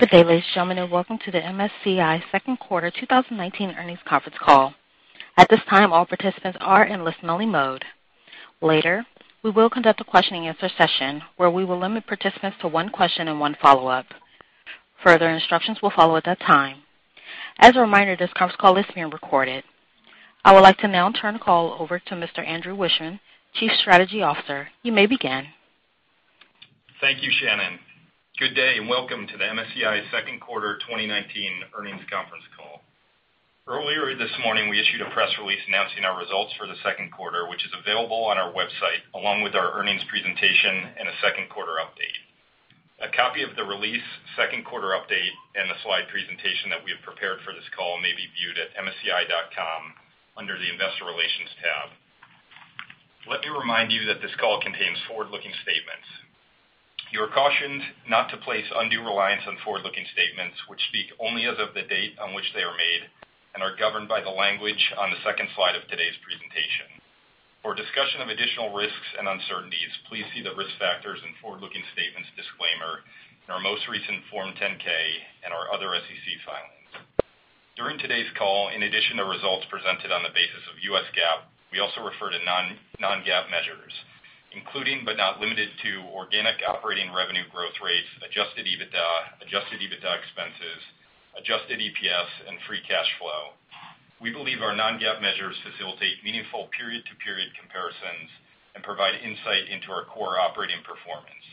Good day, ladies and gentlemen, and welcome to the MSCI Second Quarter 2019 Earnings Conference Call. At this time, all participants are in listen-only mode. Later, we will conduct a question-and-answer session where we will limit participants to one question and one follow-up. Further instructions will follow at that time. As a reminder, this conference call is being recorded. I would like to now turn the call over to Mr. Andrew Wiechmann, Chief Strategy Officer. You may begin. Thank you, Shannon. Good day, and welcome to the MSCI Second Quarter 2019 Earnings Conference Call. Earlier this morning, we issued a press release announcing our results for the second quarter, which is available on our website, along with our earnings presentation and a second quarter update. A copy of the release, second quarter update, and the slide presentation that we have prepared for this call may be viewed at msci.com under the Investor Relations tab. Let me remind you that this call contains forward-looking statements. You are cautioned not to place undue reliance on forward-looking statements, which speak only as of the date on which they are made and are governed by the language on the second slide of today's presentation. For a discussion of additional risks and uncertainties, please see the risk factors and forward-looking statements disclaimer in our most recent Form 10-K and our other SEC filings. During today's call, in addition to results presented on the basis of U.S. GAAP, we also refer to non-GAAP measures, including but not limited to organic operating revenue growth rates, adjusted EBITDA, adjusted EBITDA expenses, adjusted EPS, and free cash flow. We believe our non-GAAP measures facilitate meaningful period-to-period comparisons and provide insight into our core operating performance.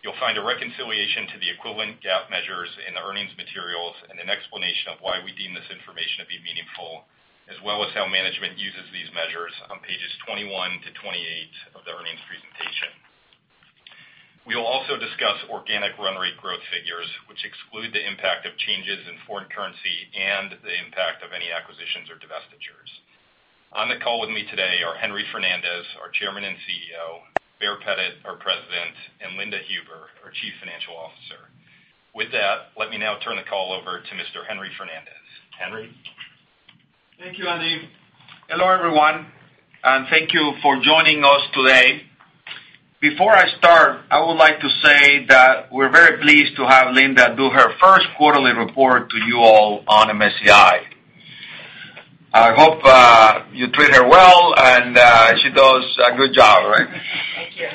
You'll find a reconciliation to the equivalent GAAP measures in the earnings materials and an explanation of why we deem this information to be meaningful, as well as how management uses these measures on pages 21-28 of the earnings presentation. We will also discuss organic run rate growth figures, which exclude the impact of changes in foreign currency and the impact of any acquisitions or divestitures. On the call with me today are Henry Fernandez, our Chairman and CEO, Baer Pettit, our President, and Linda Huber, our Chief Financial Officer. With that, let me now turn the call over to Mr. Henry Fernandez. Henry? Thank you, Andy. Hello, everyone, and thank you for joining us today. Before I start, I would like to say that we're very pleased to have Linda do her first quarterly report to you all on MSCI. I hope you treat her well, and she does a good job, right? Thank you.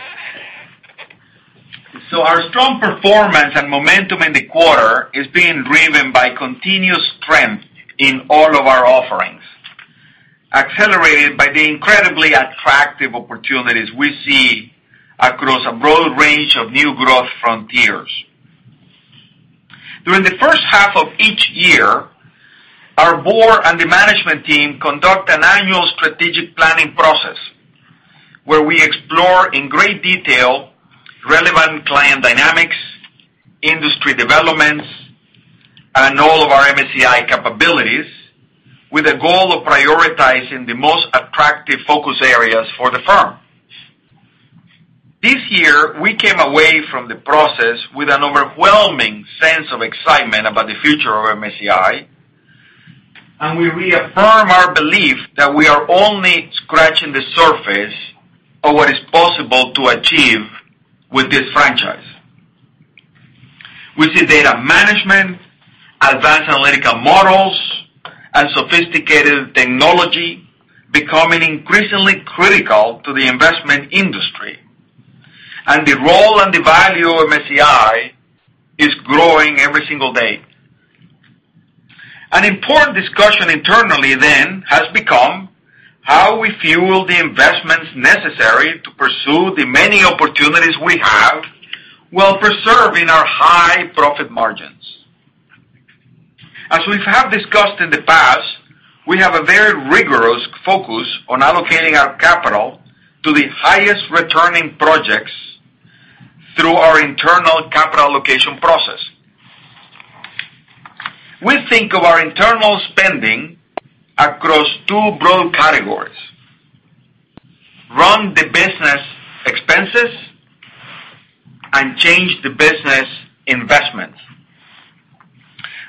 Our strong performance and momentum in the quarter is being driven by continuous strength in all of our offerings, accelerated by the incredibly attractive opportunities we see across a broad range of new growth frontiers. During the first half of each year, our board and the management team conduct an annual strategic planning process where we explore in great detail relevant client dynamics, industry developments, and all of our MSCI capabilities with a goal of prioritizing the most attractive focus areas for the firm. This year, we came away from the process with an overwhelming sense of excitement about the future of MSCI, and we reaffirm our belief that we are only scratching the surface of what is possible to achieve with this franchise. We see data management, advanced analytical models, and sophisticated technology becoming increasingly critical to the investment industry, and the role and the value of MSCI is growing every single day. An important discussion internally then has become how we fuel the investments necessary to pursue the many opportunities we have while preserving our high profit margins. As we have discussed in the past, we have a very rigorous focus on allocating our capital to the highest returning projects through our internal capital allocation process. We think of our internal spending across two broad categories: run the business expenses and change the business investments.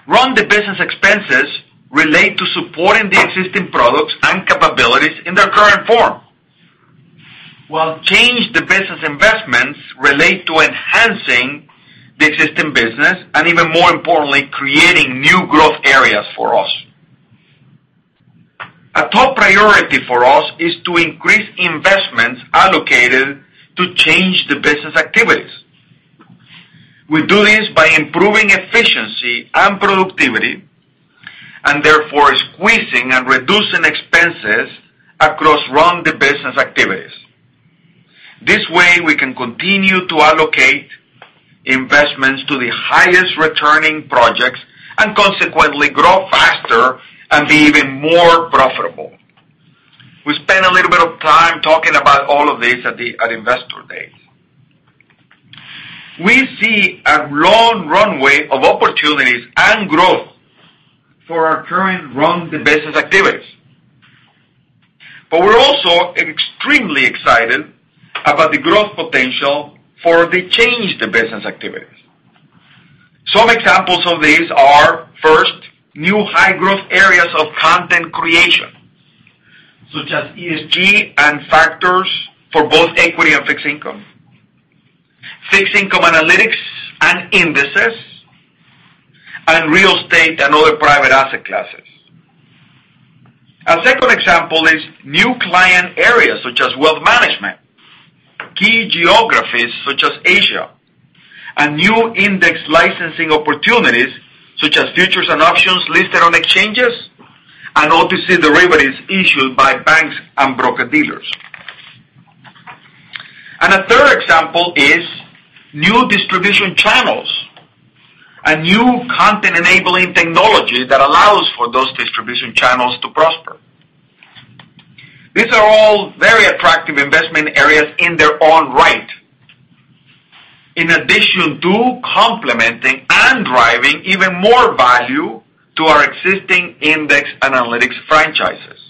Run the business expenses relate to supporting the existing products and capabilities in their current form. While change the business investments relate to enhancing the existing business, and even more importantly, creating new growth areas for us. A top priority for us is to increase investments allocated to change the business activities. We do this by improving efficiency and productivity, therefore squeezing and reducing expenses across run the business activities. This way, we can continue to allocate investments to the highest returning projects and consequently grow faster and be even more profitable. We spent a little bit of time talking about all of this at Investor Day. We see a long runway of opportunities and growth for our current run the business activities. We're also extremely excited about the growth potential for the change the business activities. Two examples of these are, first, new high growth areas of content creation, such as ESG and factors for both equity and fixed income, fixed income analytics and indices, and real estate and other private asset classes. A second example is new client areas, such as wealth management, key geographies such as Asia, and new index licensing opportunities such as futures and options listed on exchanges and OTC derivatives issued by banks and broker-dealers. A third example is new distribution channels and new content-enabling technology that allows for those distribution channels to prosper. These are all very attractive investment areas in their own right, in addition to complementing and driving even more value to our existing index analytics franchises.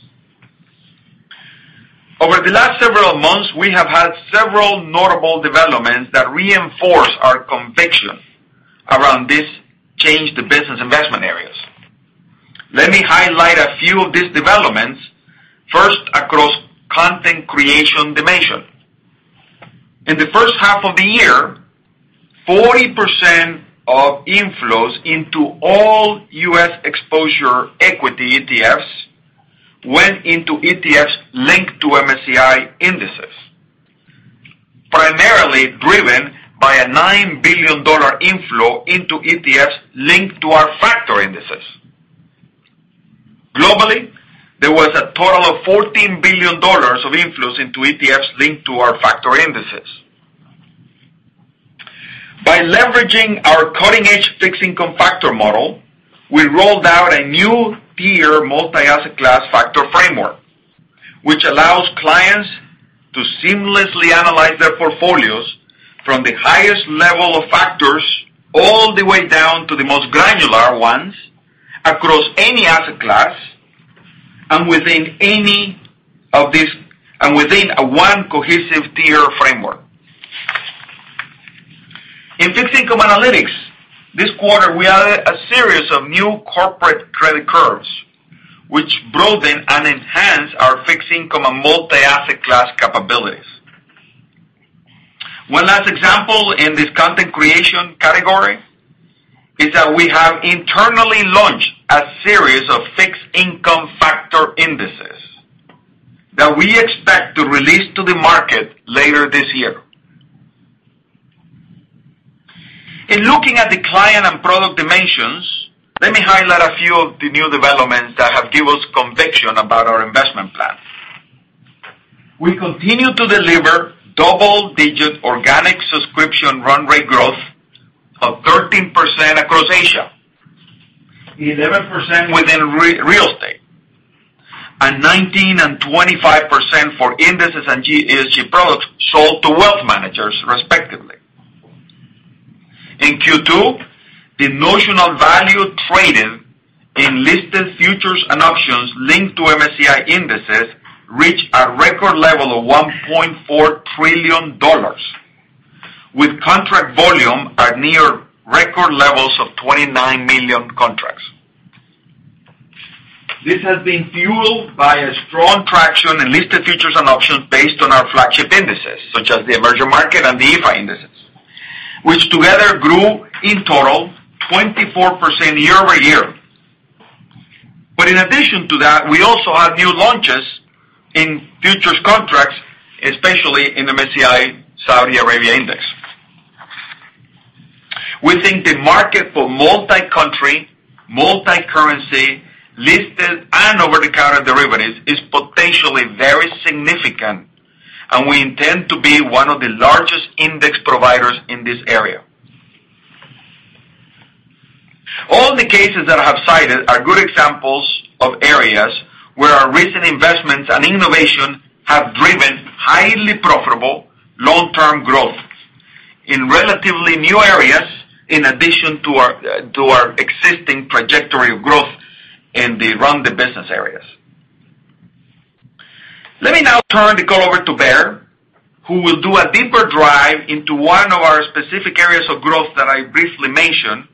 Over the last several months, we have had several notable developments that reinforce our conviction around this change the business investment areas. Let me highlight a few of these developments. First, across content creation dimension. In the first half of the year, 40% of inflows into all U.S. exposure equity ETFs went into ETFs linked to MSCI indices, primarily driven by a $9 billion inflow into ETFs linked to our factor indices. Globally, there was a total of $14 billion of inflows into ETFs linked to our factor indices. By leveraging our cutting-edge fixed income factor model, we rolled out a new tier multi-asset class factor framework, which allows clients to seamlessly analyze their portfolios from the highest level of factors all the way down to the most granular ones across any asset class and within one cohesive tier framework. In fixed income analytics, this quarter, we added a series of new corporate credit curves, which broaden and enhance our fixed income and multi-asset class capabilities. One last example in this content creation category is that we have internally launched a series of fixed income factor indices that we expect to release to the market later this year. In looking at the client and product dimensions, let me highlight a few of the new developments that have given us conviction about our investment plan. We continue to deliver double-digit organic subscription run rate growth of 13% across Asia, 11% within real estate, and 19% and 25% for indices and ESG products sold to wealth managers respectively. In Q2, the notional value traded in listed futures and options linked to MSCI indices reached a record level of $1.4 trillion, with contract volume at near record levels of 29 million contracts. This has been fueled by a strong traction in listed futures and options based on our flagship indices, such as the MSCI Emerging Markets and the MSCI EAFE, which together grew in total 24% year-over-year. In addition to that, we also have new launches in futures contracts, especially in the MSCI Saudi Arabia Index. We think the market for multi-country, multi-currency, listed and over-the-counter derivatives is potentially very significant, and we intend to be one of the largest index providers in this area. All the cases that I have cited are good examples of areas where our recent investments and innovation have driven highly profitable long-term growth in relatively new areas, in addition to our existing trajectory of growth in the run-the-business areas. Let me now turn the call over to Baer, who will do a deeper dive into one of our specific areas of growth that I briefly mentioned,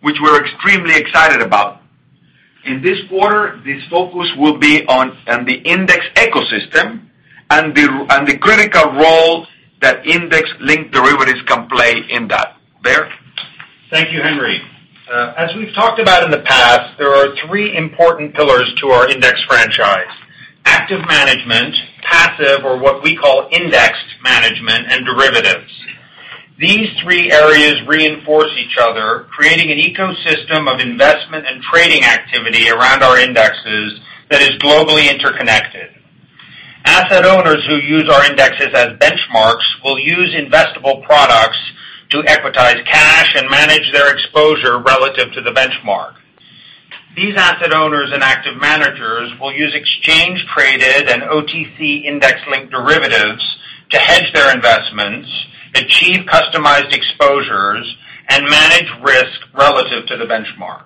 which we're extremely excited about. In this quarter, this focus will be on the index ecosystem and the critical role that index-linked derivatives can play in that. Baer. Thank you, Henry. As we've talked about in the past, there are three important pillars to our index franchise: active management, passive, or what we call indexed management, and derivatives. These three areas reinforce each other, creating an ecosystem of investment and trading activity around our indexes that is globally interconnected. Asset owners who use our indexes as benchmarks will use investable products to equitize cash and manage their exposure relative to the benchmark. These asset owners and active managers will use exchange traded and OTC index-linked derivatives to hedge their investments, achieve customized exposures, and manage risk relative to the benchmark.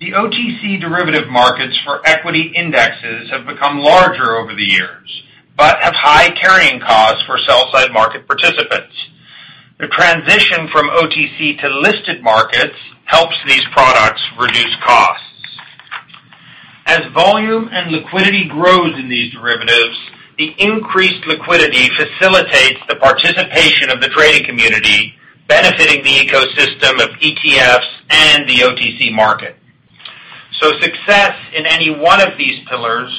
The OTC derivative markets for equity indexes have become larger over the years, but have high carrying costs for sell-side market participants. The transition from OTC to listed markets helps these products reduce costs. As volume and liquidity grows in these derivatives, the increased liquidity facilitates the participation of the trading community, benefiting the ecosystem of ETFs and the OTC market. Success in any one of these pillars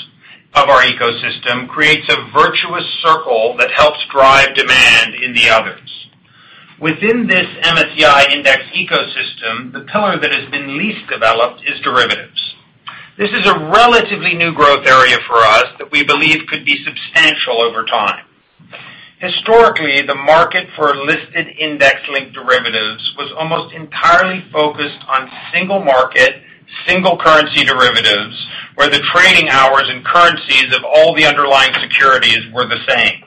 of our ecosystem creates a virtuous circle that helps drive demand in the others. Within this MSCI index ecosystem, the pillar that has been least developed is derivatives. This is a relatively new growth area for us that we believe could be substantial over time. Historically, the market for listed index-linked derivatives was almost entirely focused on single-market, single-currency derivatives, where the trading hours and currencies of all the underlying securities were the same.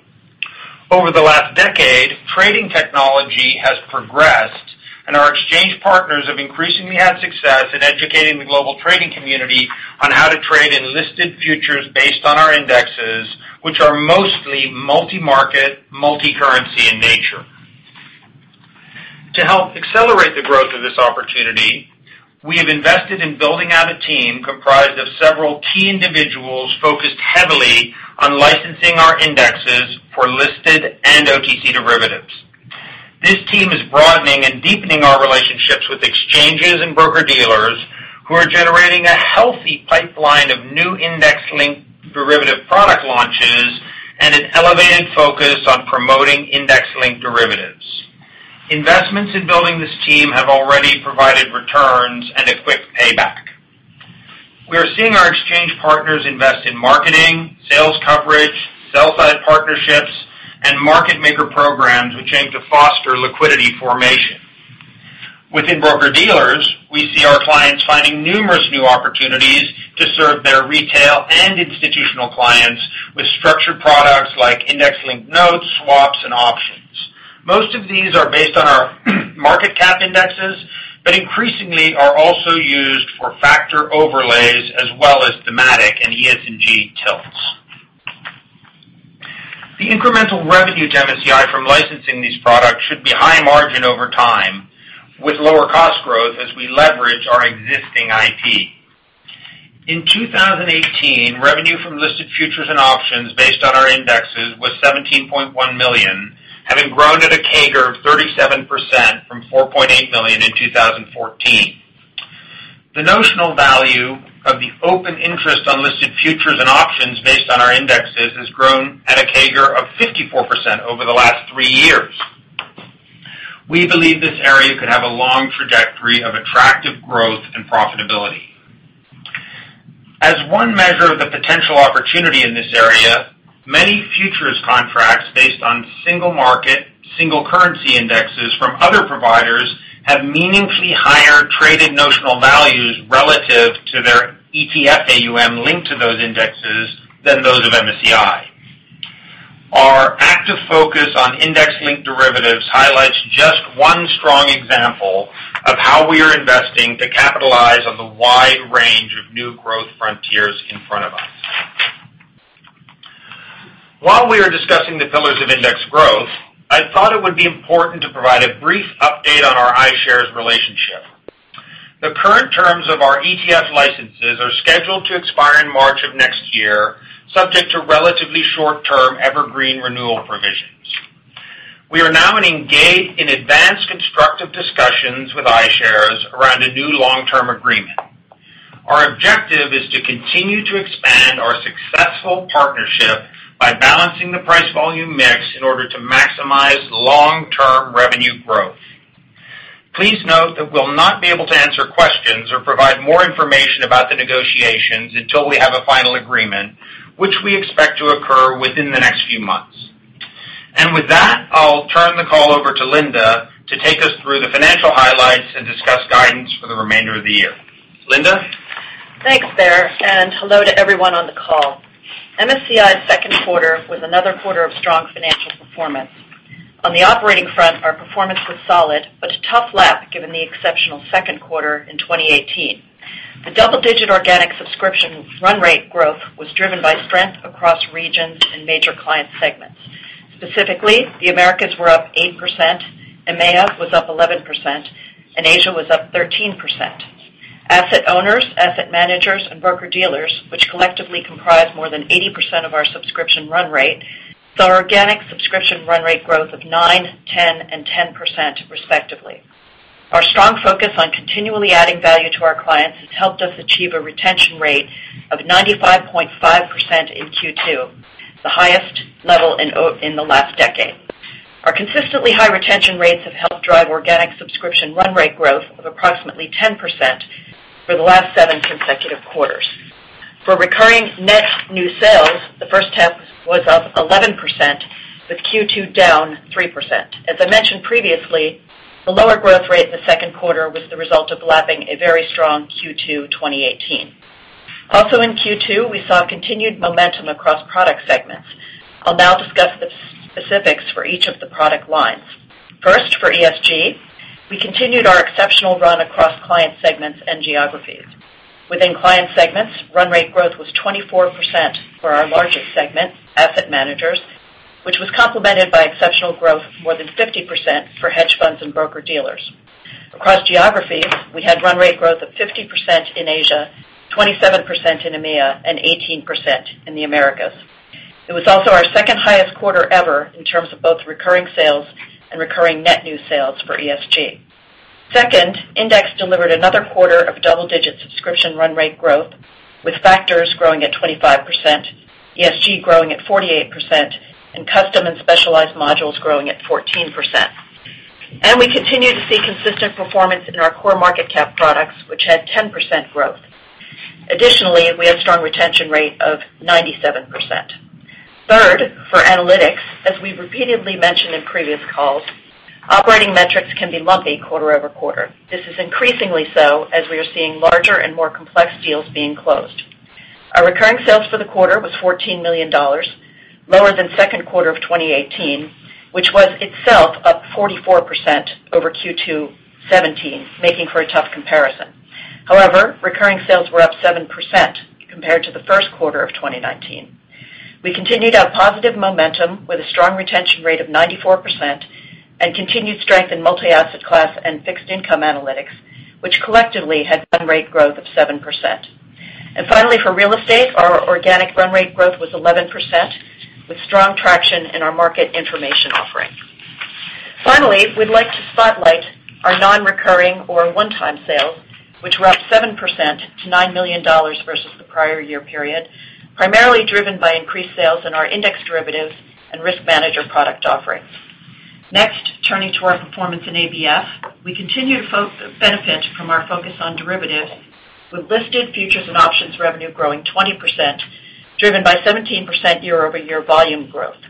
Over the last decade, trading technology has progressed, and our exchange partners have increasingly had success in educating the global trading community on how to trade in listed futures based on our indexes, which are mostly multi-market, multi-currency in nature. To help accelerate the growth of this opportunity, we have invested in building out a team comprised of several key individuals focused heavily on licensing our indexes for listed and OTC derivatives. This team is broadening and deepening our relationships with exchanges and broker-dealers who are generating a healthy pipeline of new index-linked derivative product launches and an elevated focus on promoting index-linked derivatives. Investments in building this team have already provided returns and a quick payback. We are seeing our exchange partners invest in marketing, sales coverage, sell-side partnerships, and market maker programs which aim to foster liquidity formation. Within broker-dealers, we see our clients finding numerous new opportunities to serve their retail and institutional clients with structured products like index-linked notes, swaps, and options. Most of these are based on our market cap indexes, but increasingly are also used for factor overlays as well as thematic and ESG tilts. The incremental revenues MSCI from licensing these products should be high margin over time, with lower cost growth as we leverage our existing IT. In 2018, revenue from listed futures and options based on our indexes was $17.1 million, having grown at a CAGR of 37% from $4.8 million in 2014. The notional value of the open interest on listed futures and options based on our indexes has grown at a CAGR of 54% over the last three years. We believe this area could have a long trajectory of attractive growth and profitability. As one measure of the potential opportunity in this area, many futures contracts based on single-market, single-currency indexes from other providers have meaningfully higher traded notional values relative to their ETF AUM linked to those indexes than those of MSCI. Our active focus on index-linked derivatives highlights just one strong example of how we are investing to capitalize on the wide range of new growth frontiers in front of us. While we are discussing the pillars of index growth, I thought it would be important to provide a brief update on our iShares relationship. The current terms of our ETF licenses are scheduled to expire in March of next year, subject to relatively short-term evergreen renewal provisions. We are now engaged in advanced constructive discussions with iShares around a new long-term agreement. Our objective is to continue to expand our successful partnership by balancing the price-volume mix in order to maximize long-term revenue growth. Please note that we'll not be able to answer questions or provide more information about the negotiations until we have a final agreement, which we expect to occur within the next few months. With that, I'll turn the call over to Linda to take us through the financial highlights and discuss guidance for the remainder of the year. Linda? Thanks, Baer, and hello to everyone on the call. MSCI's second quarter was another quarter of strong financial performance. On the operating front, our performance was solid, but a tough lap given the exceptional second quarter in 2018. The double-digit organic subscription run rate growth was driven by strength across regions and major client segments. Specifically, the Americas were up 8%, EMEA was up 11%, and Asia was up 13%. Asset owners, asset managers, and broker-dealers, which collectively comprise more than 80% of our subscription run rate, saw organic subscription run rate growth of 9%, 10%, and 10% respectively. Our strong focus on continually adding value to our clients has helped us achieve a retention rate of 95.5% in Q2, the highest level in the last decade. Our consistently high retention rates have helped drive organic subscription run rate growth of approximately 10% for the last seven consecutive quarters. For recurring net new sales, the first half was up 11%, with Q2 down 3%. As I mentioned previously, the lower growth rate in the second quarter was the result of lapping a very strong Q2 2018. Also in Q2, we saw continued momentum across product segments. I'll now discuss the specifics for each of the product lines. First, for ESG, we continued our exceptional run across client segments and geographies. Within client segments, run rate growth was 24% for our largest segment, asset managers, which was complemented by exceptional growth more than 50% for hedge funds and broker-dealers. Across geographies, we had run rate growth of 50% in Asia, 27% in EMEA, and 18% in the Americas. It was also our second highest quarter ever in terms of both recurring sales and recurring net new sales for ESG. Index delivered another quarter of double-digit subscription run rate growth, with factors growing at 25%, ESG growing at 48%, and custom and specialized modules growing at 14%. We continue to see consistent performance in our core market cap products, which had 10% growth. Additionally, we had a strong retention rate of 97%. For Analytics, as we've repeatedly mentioned in previous calls, operating metrics can be lumpy quarter-over-quarter. This is increasingly so as we are seeing larger and more complex deals being closed. Our recurring sales for the quarter was $14 million, lower than the second quarter of 2018, which was itself up 44% over Q2 2017, making for a tough comparison. However, recurring sales were up 7% compared to the first quarter of 2019. We continued our positive momentum with a strong retention rate of 94% and continued strength in multi-asset class and fixed income analytics, which collectively had run rate growth of 7%. Finally, for real estate, our organic run rate growth was 11%, with strong traction in our market information offering. Finally, we'd like to spotlight our non-recurring or one-time sales, which were up 7% to $9 million versus the prior year period, primarily driven by increased sales in our index derivatives and risk manager product offerings. Turning to our performance in ABF, we continue to benefit from our focus on derivatives with listed futures and options revenue growing 20%, driven by 17% year-over-year volume growth.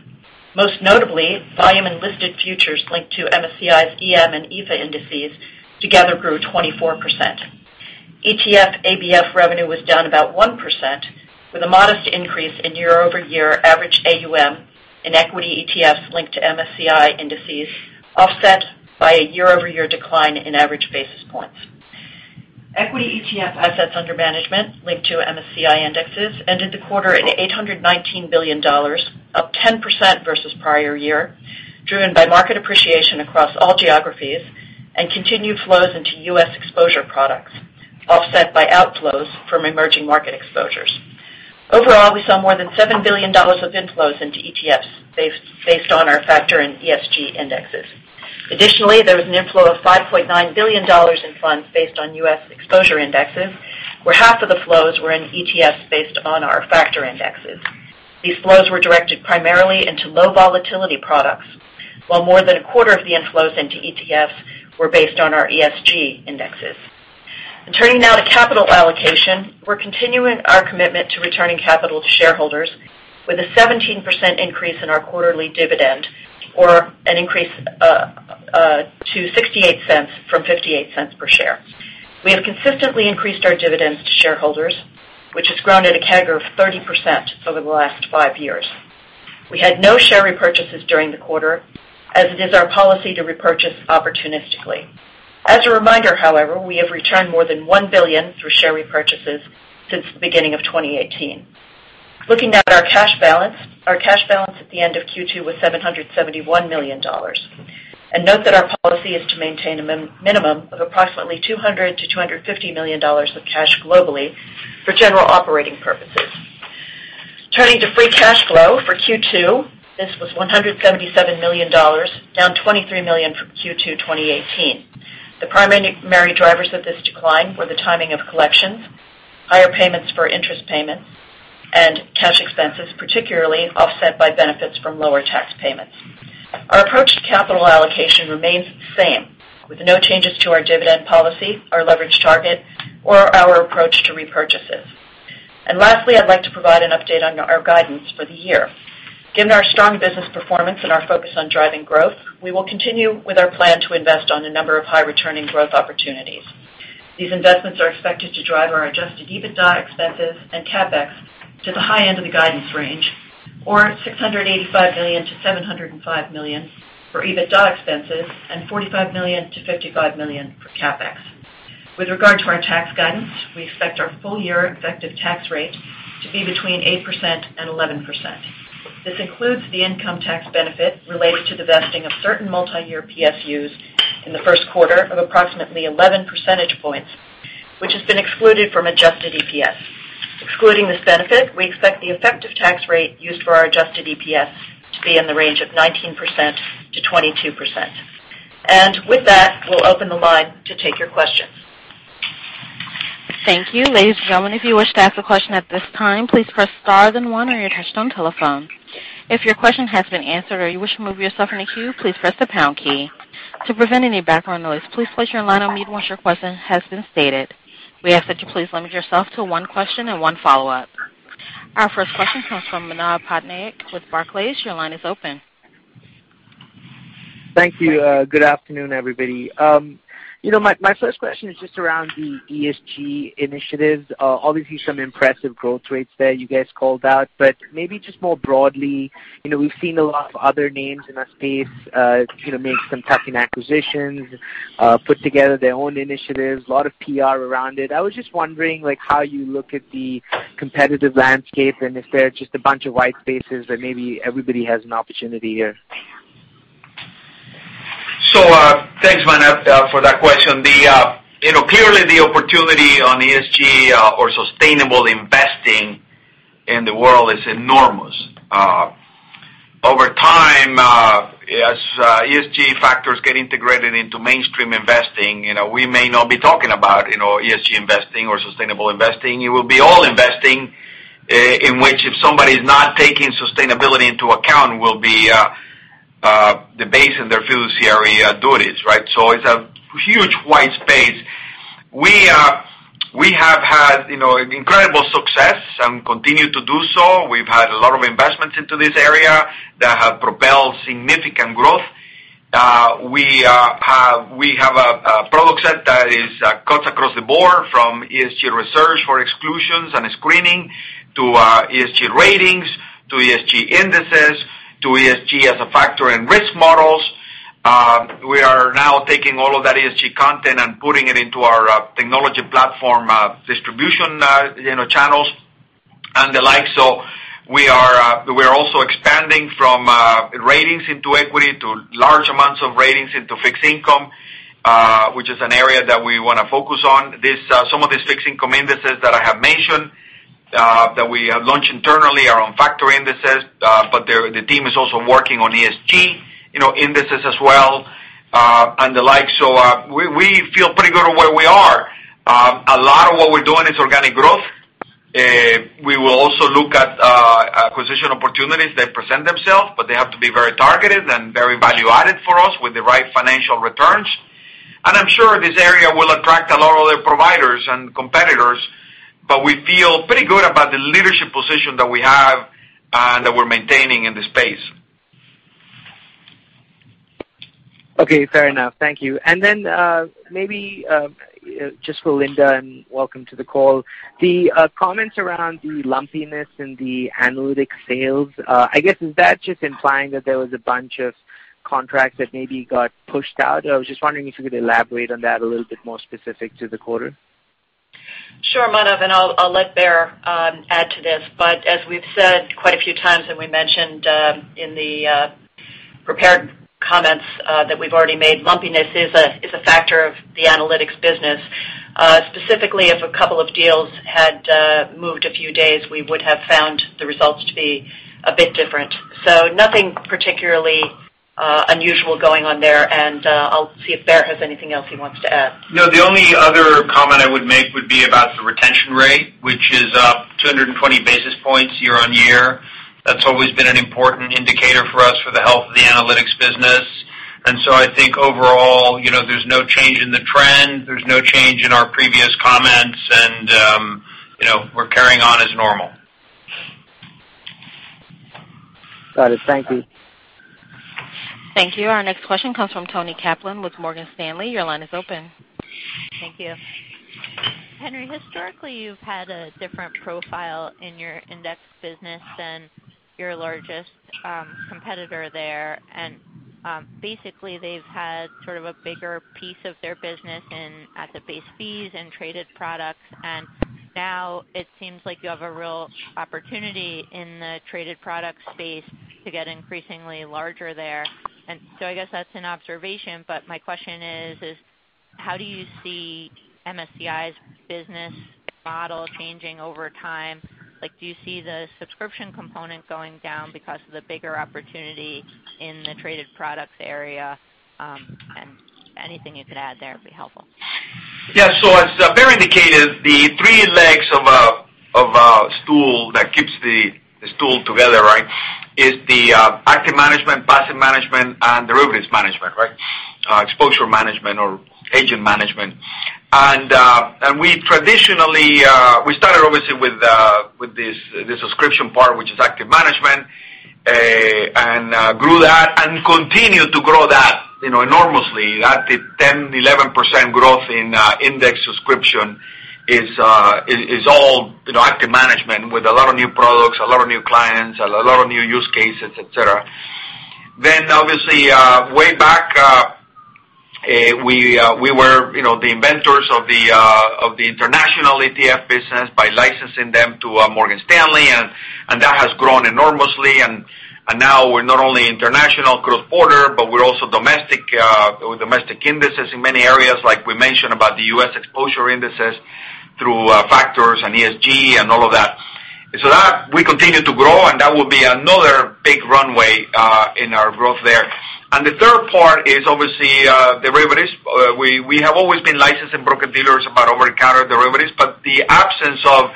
Most notably, volume and listed futures linked to MSCI's EM and EAFE indices together grew 24%. ETF ABF revenue was down about 1%, with a modest increase in year-over-year average AUM in equity ETFs linked to MSCI indices, offset by a year-over-year decline in average basis points. Equity ETF assets under management linked to MSCI indexes ended the quarter at $819 billion, up 10% versus the prior year, driven by market appreciation across all geographies and continued flows into U.S. exposure products, offset by outflows from emerging market exposures. Overall, we saw more than $7 billion of inflows into ETFs based on our factor in ESG indexes. There was an inflow of $5.9 billion in funds based on U.S. exposure indexes, where half of the flows were in ETFs based on our factor indexes. These flows were directed primarily into low volatility products, while more than a quarter of the inflows into ETFs were based on our ESG indexes. Turning now to capital allocation, we're continuing our commitment to returning capital to shareholders with a 17% increase in our quarterly dividend or an increase to $0.68 from $0.58 per share. We have consistently increased our dividends to shareholders, which has grown at a CAGR of 30% over the last five years. We had no share repurchases during the quarter, as it is our policy to repurchase opportunistically. As a reminder, however, we have returned more than $1 billion through share repurchases since the beginning of 2018. Looking at our cash balance, our cash balance at the end of Q2 was $771 million. Note that our policy is to maintain a minimum of approximately $200 million-$250 million of cash globally for general operating purposes. Turning to free cash flow for Q2, this was $177 million, down $23 million from Q2 2018. The primary drivers of this decline were the timing of collections, higher payments for interest payments, and cash expenses, particularly offset by benefits from lower tax payments. Our approach to capital allocation remains the same, with no changes to our dividend policy, our leverage target, or our approach to repurchases. Lastly, I'd like to provide an update on our guidance for the year. Given our strong business performance and our focus on driving growth, we will continue with our plan to invest on a number of high-returning growth opportunities. These investments are expected to drive our adjusted EBITDA expenses and CapEx to the high end of the guidance range, or $685 million-$705 million for EBITDA expenses and $45 million-$55 million for CapEx. With regard to our tax guidance, we expect our full-year effective tax rate to be between 8% and 11%. This includes the income tax benefit related to divesting of certain multi-year PSUs in the first quarter of approximately 11 percentage points, which has been excluded from adjusted EPS. Excluding this benefit, we expect the effective tax rate used for our adjusted EPS to be in the range of 19%-22%. With that, we'll open the line to take your questions. Thank you. Ladies and gentlemen, if you wish to ask a question at this time, please press star then one on your touchtone telephone. If your question has been answered or you wish to remove yourself from the queue, please press the pound key. To prevent any background noise, please place your line on mute once your question has been stated. We ask that you please limit yourself to one question and one follow-up. Our first question comes from Manav Patnaik with Barclays. Your line is open. Thank you. Good afternoon, everybody. My first question is just around the ESG initiatives. Obviously, some impressive growth rates there you guys called out, but maybe just more broadly, we've seen a lot of other names in our space make some tuck-in acquisitions, put together their own initiatives, lot of PR around it. I was just wondering how you look at the competitive landscape and if they're just a bunch of wide spaces that maybe everybody has an opportunity here. Thanks Manav for that question. Clearly the opportunity on ESG or sustainable investing in the world is enormous. Over time, as ESG factors get integrated into mainstream investing, we may not be talking about ESG investing or sustainable investing. It will be all investing, in which if somebody's not taking sustainability into account will be debasing their fiduciary duties, right? It's a huge wide space. We have had incredible success and continue to do so. We've had a lot of investments into this area that have propelled significant growth. We have a product set that cuts across the board from ESG research for exclusions and screening to ESG ratings, to ESG indices, to ESG as a factor in risk models. We are now taking all of that ESG content and putting it into our technology platform distribution channels and the like. We're also expanding from ratings into equity to large amounts of ratings into fixed income, which is an area that we want to focus on. Some of these fixed income indices that I have mentioned, that we have launched internally are on factor indices, but the team is also working on ESG indices as well, and the like. We feel pretty good on where we are. A lot of what we're doing is organic growth. We will also look at acquisition opportunities that present themselves, but they have to be very targeted and very value-added for us with the right financial returns. I'm sure this area will attract a lot of other providers and competitors, but we feel pretty good about the leadership position that we have and that we're maintaining in the space. Okay, fair enough. Thank you. Then, maybe, just for Linda, and welcome to the call. The comments around the lumpiness in the analytic sales, I guess, is that just implying that there was a bunch of contracts that maybe got pushed out? I was just wondering if you could elaborate on that a little bit more specific to the quarter. Sure, Manav, and I'll let Baer add to this, but as we've said quite a few times, and we mentioned in the prepared comments that we've already made, lumpiness is a factor of the analytics business. Specifically if a couple of deals had moved a few days, we would have found the results to be a bit different. Nothing particularly unusual going on there, and I'll see if Baer has anything else he wants to add. The only other comment I would make would be about the retention rate, which is up 220 basis points year-on-year. That's always been an important indicator for us for the health of the analytics business. I think overall, there's no change in the trend, there's no change in our previous comments, and we're carrying on as normal. Got it. Thank you. Thank you. Our next question comes from Toni Kaplan with Morgan Stanley. Your line is open. Thank you. Henry, historically, you've had a different profile in your index business than your largest competitor there. Basically, they've had sort of a bigger piece of their business in at the base fees and traded products, Now it seems like you have a real opportunity in the traded product space to get increasingly larger there. I guess that's an observation, but my question is how do you see MSCI's business model changing over time? Do you see the subscription component going down because of the bigger opportunity in the traded products area? Anything you could add there would be helpful. As Baer indicated, the three legs of a stool that keeps the stool together, is the active management, passive management, and derivatives management. Exposure management or agent management. We started obviously with the subscription part, which is active management, and grew that and continue to grow that enormously. That 10%-11% growth in index subscription is all active management with a lot of new products, a lot of new clients, a lot of new use cases, et cetera. Obviously, way back, we were the inventors of the international ETF business by licensing them to Morgan Stanley, and that has grown enormously, and now we're not only international growth order, but we're also domestic indices in many areas, like we mentioned about the U.S. exposure indices through factors and ESG and all of that. That we continue to grow, and that will be another big runway in our growth there. The third part is obviously, derivatives. We have always been licensed for over-the-counter derivatives, but the absence of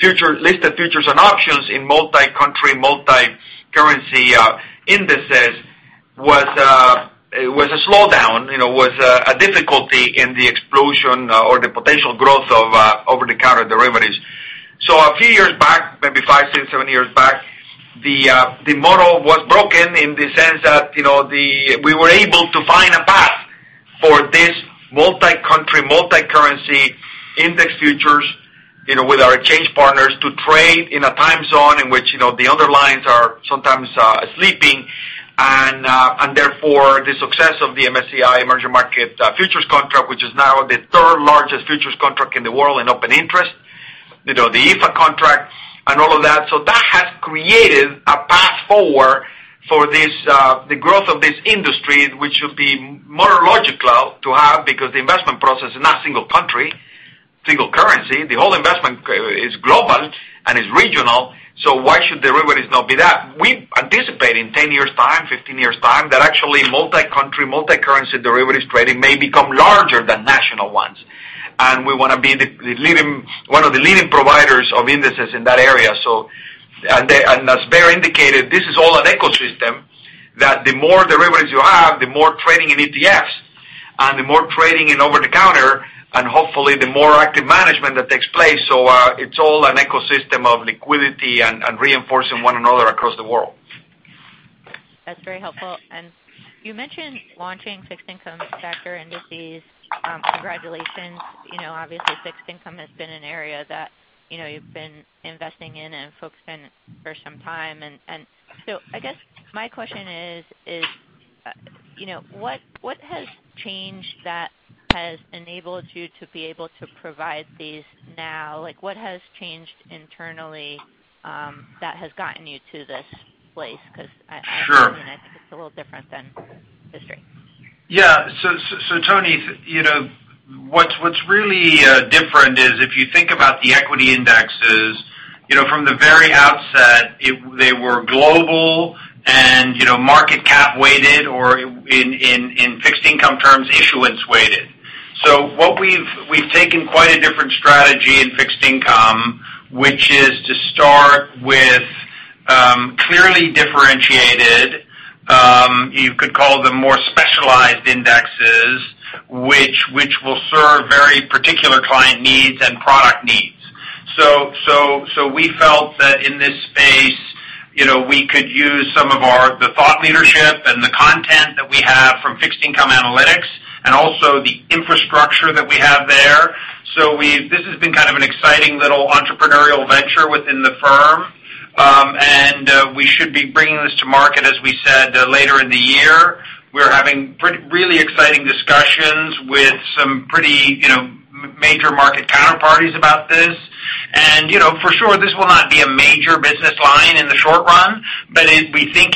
listed futures and options in multi-country, multi-currency indices was a slowdown, a difficulty in the explosion or the potential growth. A few years back, maybe five, six, seven years back, the model was broken in the sense that we were able to find a path for this multi-country, multi-currency index futures, with our exchange partners to trade in a time zone in which the underlyings are sometimes sleeping and therefore, the success of the MSCI Emerging Markets futures contract, which is now the third-largest futures contract in the world in open interest, the MSCI EAFE contract and all of that. That has created a path forward for the growth of this industry, which should be more logical to have because the investment process is not single country, single currency. The whole investment is global and is regional, why should derivatives not be that? We anticipate in 10 years' time, 15 years' time, that actually multi-country, multi-currency derivatives trading may become larger than national ones. We want to be one of the leading providers of indices in that area. As Baer indicated, this is all an ecosystem, that the more derivatives you have, the more trading in ETFs, the more trading in over-the-counter, hopefully the more active management that takes place. It's all an ecosystem of liquidity and reinforcing one another across the world. That's very helpful. You mentioned launching fixed income factor indices. Congratulations. Obviously, fixed income has been an area that you've been investing in and focusing for some time. I guess my question is, what has changed that has enabled you to be able to provide these now? What has changed internally that has gotten you to this place? Sure It's a little different than history. Yeah. Toni, what's really different is if you think about the equity indexes, from the very outset, they were global and market cap-weighted, or in fixed income terms, issuance-weighted. We've taken quite a different strategy in fixed income, which is to start with clearly differentiated, you could call them more specialized indexes, which will serve very particular client needs and product needs. We felt that in this space, we could use some of the thought leadership and the content that we have from fixed income analytics and also the infrastructure that we have there. This has been kind of an exciting little entrepreneurial venture within the firm. We should be bringing this to market, as we said, later in the year. We're having really exciting discussions with some pretty major market counterparties about this. For sure, this will not be a major business line in the short run, but using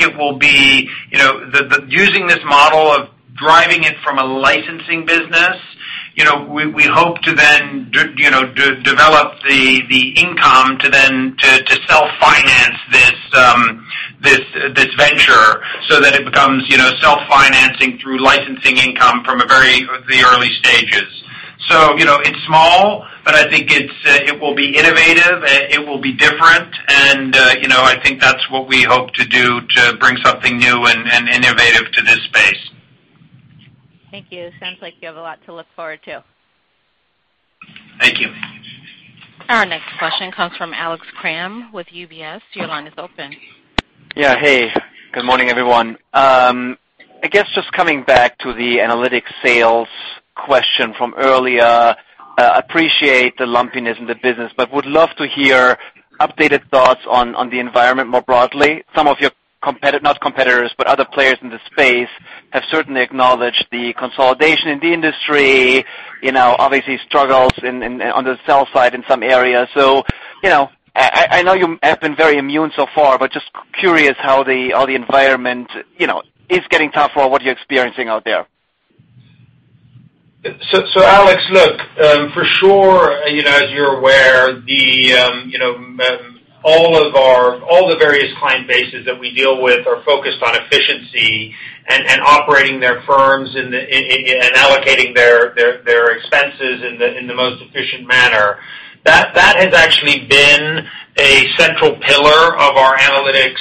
this model of driving it from a licensing business, we hope to then develop the income to self-finance this venture so that it becomes self-financing through licensing income from the early stages. It's small, but I think it will be innovative, it will be different, and I think that's what we hope to do to bring something new and innovative to this space. Thank you. Sounds like you have a lot to look forward to. Thank you. Our next question comes from Alex Kramm with UBS. Your line is open. Yeah. Hey, good morning, everyone. I guess just coming back to the analytics sales question from earlier. Appreciate the lumpiness in the business. Would love to hear updated thoughts on the environment more broadly. Some of your, not competitors, but other players in the space have certainly acknowledged the consolidation in the industry, obviously struggles on the sell side in some areas. I know you have been very immune so far. Just curious how the environment is getting tough or what you're experiencing out there. Alex Kramm, look, for sure, as you're aware, all the various client bases that we deal with are focused on efficiency and operating their firms and allocating their expenses in the most efficient manner. That has actually been a central pillar of our analytics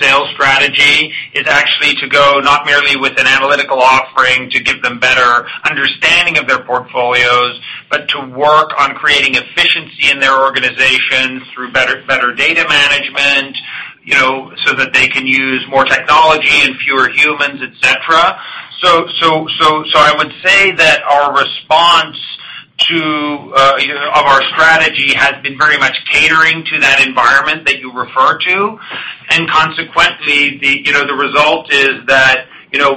sales strategy, is actually to go not merely with an analytical offering to give them better understanding of their portfolios, but to work on creating efficiency in their organizations through better data management, so that they can use more technology and fewer humans, et cetera. I would say that our response of our strategy has been very much catering to that environment that you refer to. Consequently, the result is that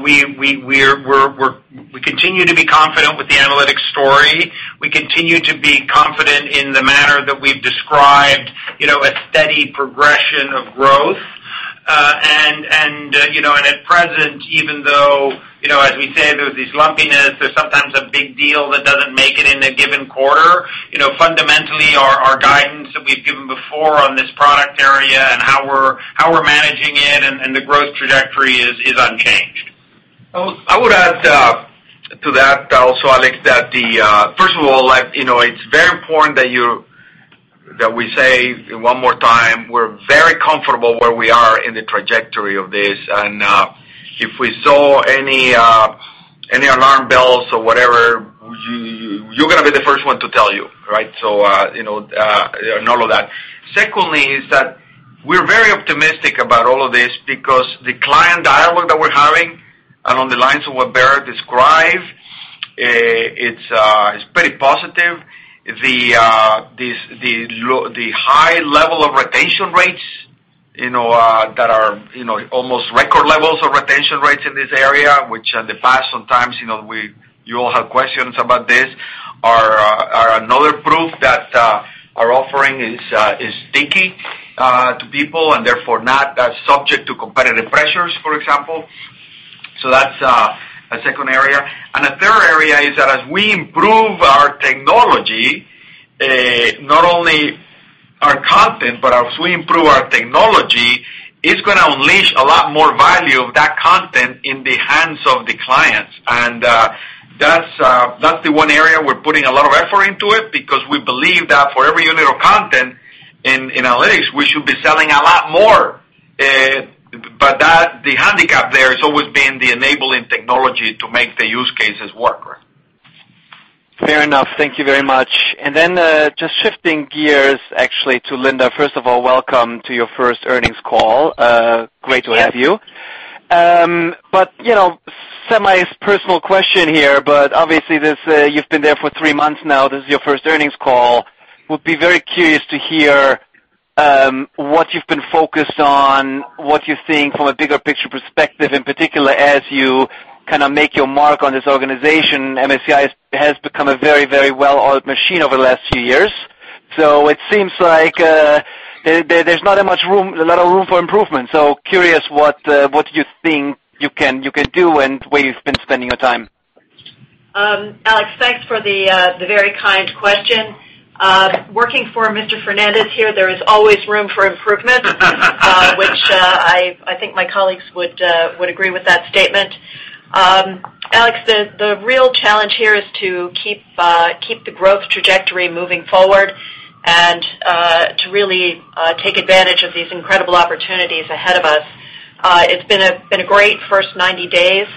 we continue to be confident with the analytics story. We continue to be confident in the manner that we've described, a steady progression of growth. At present, even though, as we say, there's this lumpiness, there's sometimes a big deal that doesn't make it in a given quarter, fundamentally, our guidance that we've given before on this product area and how we're managing it and the growth trajectory is unchanged. I would add to that also, Alex, that first of all, it's very important that we say one more time, we're very comfortable where we are in the trajectory of this, and if we saw any bells or whatever, you're going to be the first one to tell you. Right? Secondly, is that we're very optimistic about all of this because the client dialogue that we're having, and on the lines of what Baer described, it's pretty positive. The high level of retention rates that are almost record levels of retention rates in this area, which in the past sometimes you all have questions about this, are another proof that our offering is sticking to people and therefore not as subject to competitive pressures, for example. That's a second area. A third area is that as we improve our technology, not only our content, but as we improve our technology, it's going to unleash a lot more value of that content in the hands of the clients. That's the one area we're putting a lot of effort into it because we believe that for every unit of content in analytics, we should be selling a lot more. The handicap there has always been the enabling technology to make the use cases work. Fair enough. Thank you very much. Just shifting gears actually to Linda. First of all, welcome to your first earnings call. Great to have you. Yes. Semi-personal question here, but obviously, you've been there for three months now, this is your first earnings call. Would be very curious to hear what you've been focused on, what you're seeing from a bigger picture perspective, in particular as you make your mark on this organization. MSCI has become a very well-oiled machine over the last few years. It seems like there's not a lot of room for improvement. Curious what you think you can do and where you've been spending your time. Alex, thanks for the very kind question. Working for Mr. Fernandez here, there is always room for improvement, which I think my colleagues would agree with that statement. Alex, the real challenge here is to keep the growth trajectory moving forward and to really take advantage of these incredible opportunities ahead of us. It's been a great first 90 days.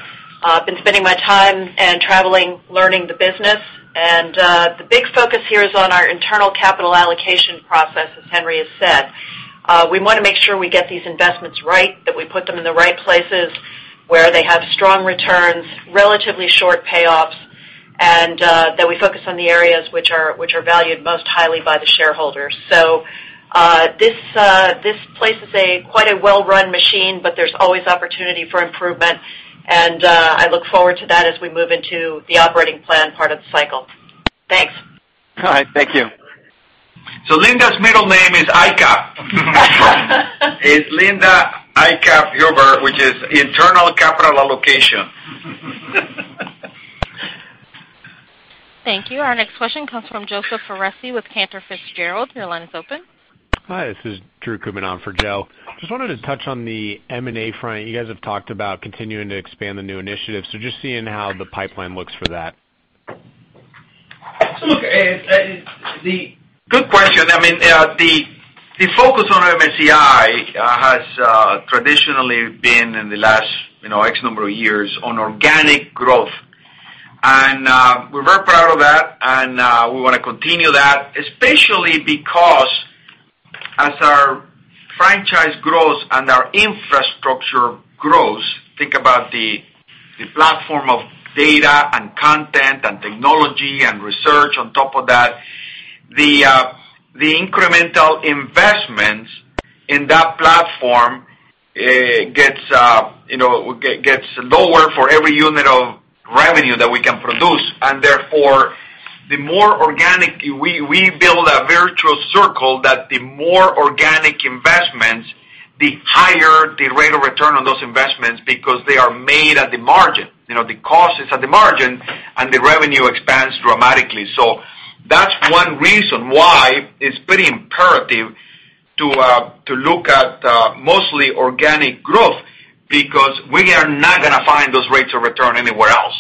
I've been spending my time and traveling, learning the business, and the big focus here is on our internal capital allocation process, as Henry has said. We want to make sure we get these investments right, that we put them in the right places where they have strong returns, relatively short payoffs, and that we focus on the areas which are valued most highly by the shareholders. This place is a quite a well-run machine, but there's always opportunity for improvement, and I look forward to that as we move into the operating plan part of the cycle. Thanks. All right. Thank you. Linda's middle name is ICA. It is Linda ICA Huber, which is Internal Capital Allocation. Thank you. Our next question comes from Joseph Foresi with Cantor Fitzgerald. Your line is open. Hi, this is Drew Kubina for Joe. Just wanted to touch on the M&A front. You guys have talked about continuing to expand the new initiatives, just seeing how the pipeline looks for that. Look, good question. The focus on MSCI has traditionally been in the last X number of years on organic growth. We're very proud of that, and we want to continue that, especially because as our franchise grows and our infrastructure grows, think about the platform of data and content, and technology, and research on top of that. The incremental investments in that platform gets lower for every unit of revenue that we can produce, and therefore, we build a virtual circle that the more organic investments, the higher the rate of return on those investments because they are made at the margin. The cost is at the margin, and the revenue expands dramatically. That's one reason why it's pretty imperative to look at mostly organic growth because we are not going to find those rates of return anywhere else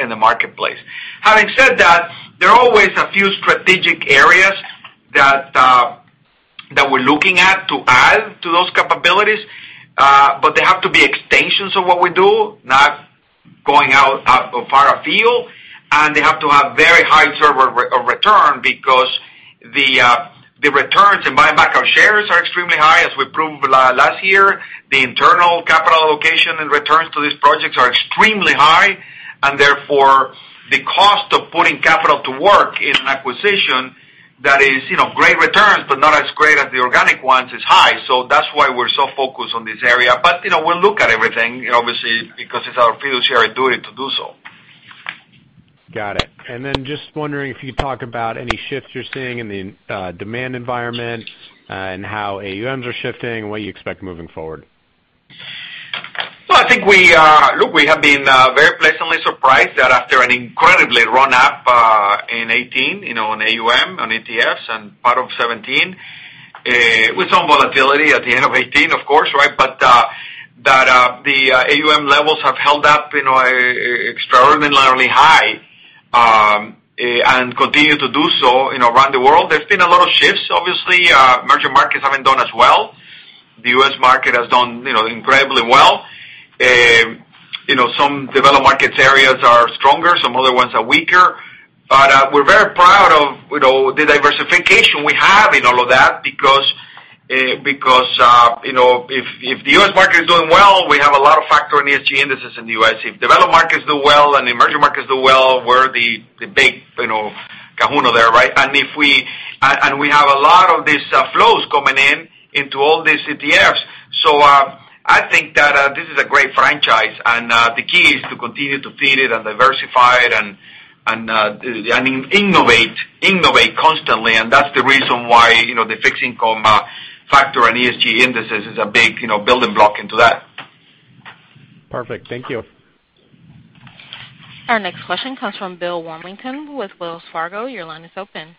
in the marketplace. Having said that, there are always a few strategic areas that we're looking at to add to those capabilities. They have to be extensions of what we do, not going out far afield, and they have to have very high superior return because the returns in buyback of shares are extremely high, as we proved last year. The internal capital allocation and returns to these projects are extremely high, and therefore, the cost of putting capital to work in an acquisition that is great returns but not as great as the organic ones, is high. That's why we're so focused on this area. We look at everything, obviously, because it's our fiduciary duty to do so. Got it. Just wondering if you could talk about any shifts you're seeing in the demand environment and how AUMs are shifting and what you expect moving forward. Look, we have been very pleasantly surprised that after an incredible run-up in 2018, on AUM, on ETFs and part of 2017, with some volatility at the end of 2018, of course, but that the AUM levels have held up extraordinarily high, and continue to do so around the world. There's been a lot of shifts, obviously, emerging markets. The U.S. market has done incredibly well. Some developed market areas are stronger, some other ones are weaker. We're very proud of the diversification we have in all of that because if the U.S. market is doing well, we have a lot of factor in ESG indices in the U.S. If developed markets do well and the emerging markets do well, we're the big kahuna there, right? We have a lot of these flows coming in, into all these ETFs. I think that this is a great franchise, and the key is to continue to feed it and diversify it, and innovate constantly. That's the reason why the fixed income factor on ESG indexes is a big building block into that. Perfect. Thank you. Our next question comes from Bill Warmington with Wells Fargo. Your line is open.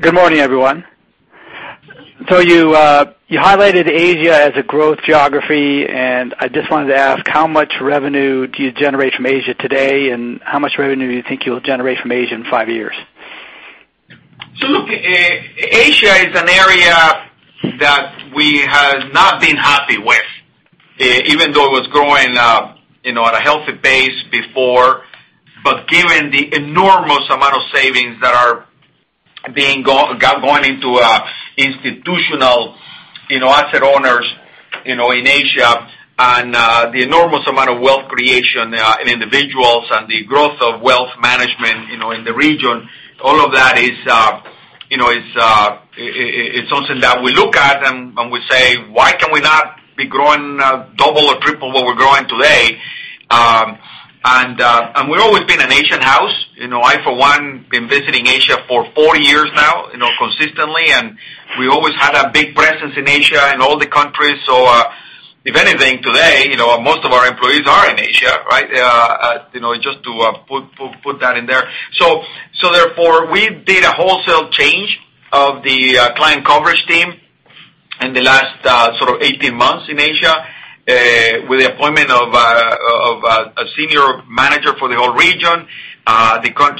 Good morning, everyone. You highlighted Asia as a growth geography, and I just wanted to ask how much revenue do you generate from Asia today, and how much revenue do you think you'll generate from Asia in five years? Look, Asia is an area that we have not been happy with. Even though it was growing at a healthy pace before. Given the enormous amount of savings that are going into institutional asset owners in Asia, and the enormous amount of wealth creation in individuals, and the growth of wealth management in the region, all of that is something that we look at and we say, "Why can we not be growing double or triple what we're growing today?" We've always been an Asian house. I, for one, been visiting Asia for four years now consistently, and we always had a big presence in Asia and all the countries. If anything, today, most of our employees are in Asia, right? Just to put that in there. Therefore, we did a wholesale change of the client coverage team in the last sort of 18 months in Asia with the appointment of a senior manager for the whole region.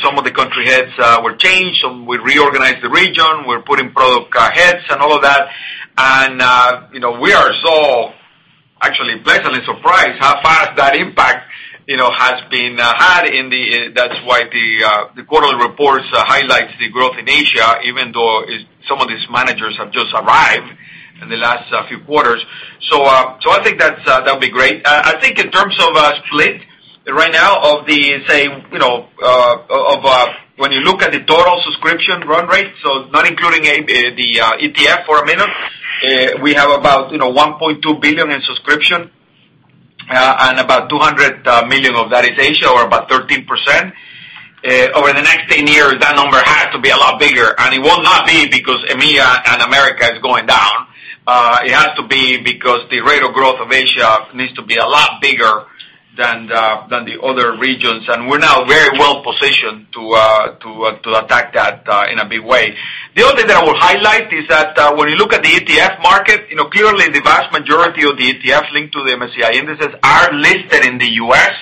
Some of the country heads were changed. We reorganized the region. We're putting product heads and all of that. We are so actually pleasantly surprised how fast that impact has been had. That's why the quarterly reports highlights the growth in Asia, even though some of these managers have just arrived in the last few quarters. I think that'll be great. I think in terms of split right now of the, say, when you look at the total subscription run rate, not including the ETF for a minute, we have about $1.2 billion in subscription, and about $200 million of that is Asia, or about 13%. Over the next 10 years, that number has to be a lot bigger. It will not be because EMEA and America is going down. It has to be because the rate of growth of Asia needs to be a lot bigger than the other regions. We're now very well positioned to attack that in a big way. The other thing I will highlight is that when you look at the ETF market, clearly the vast majority of the ETFs linked to the MSCI indices are listed in the U.S.,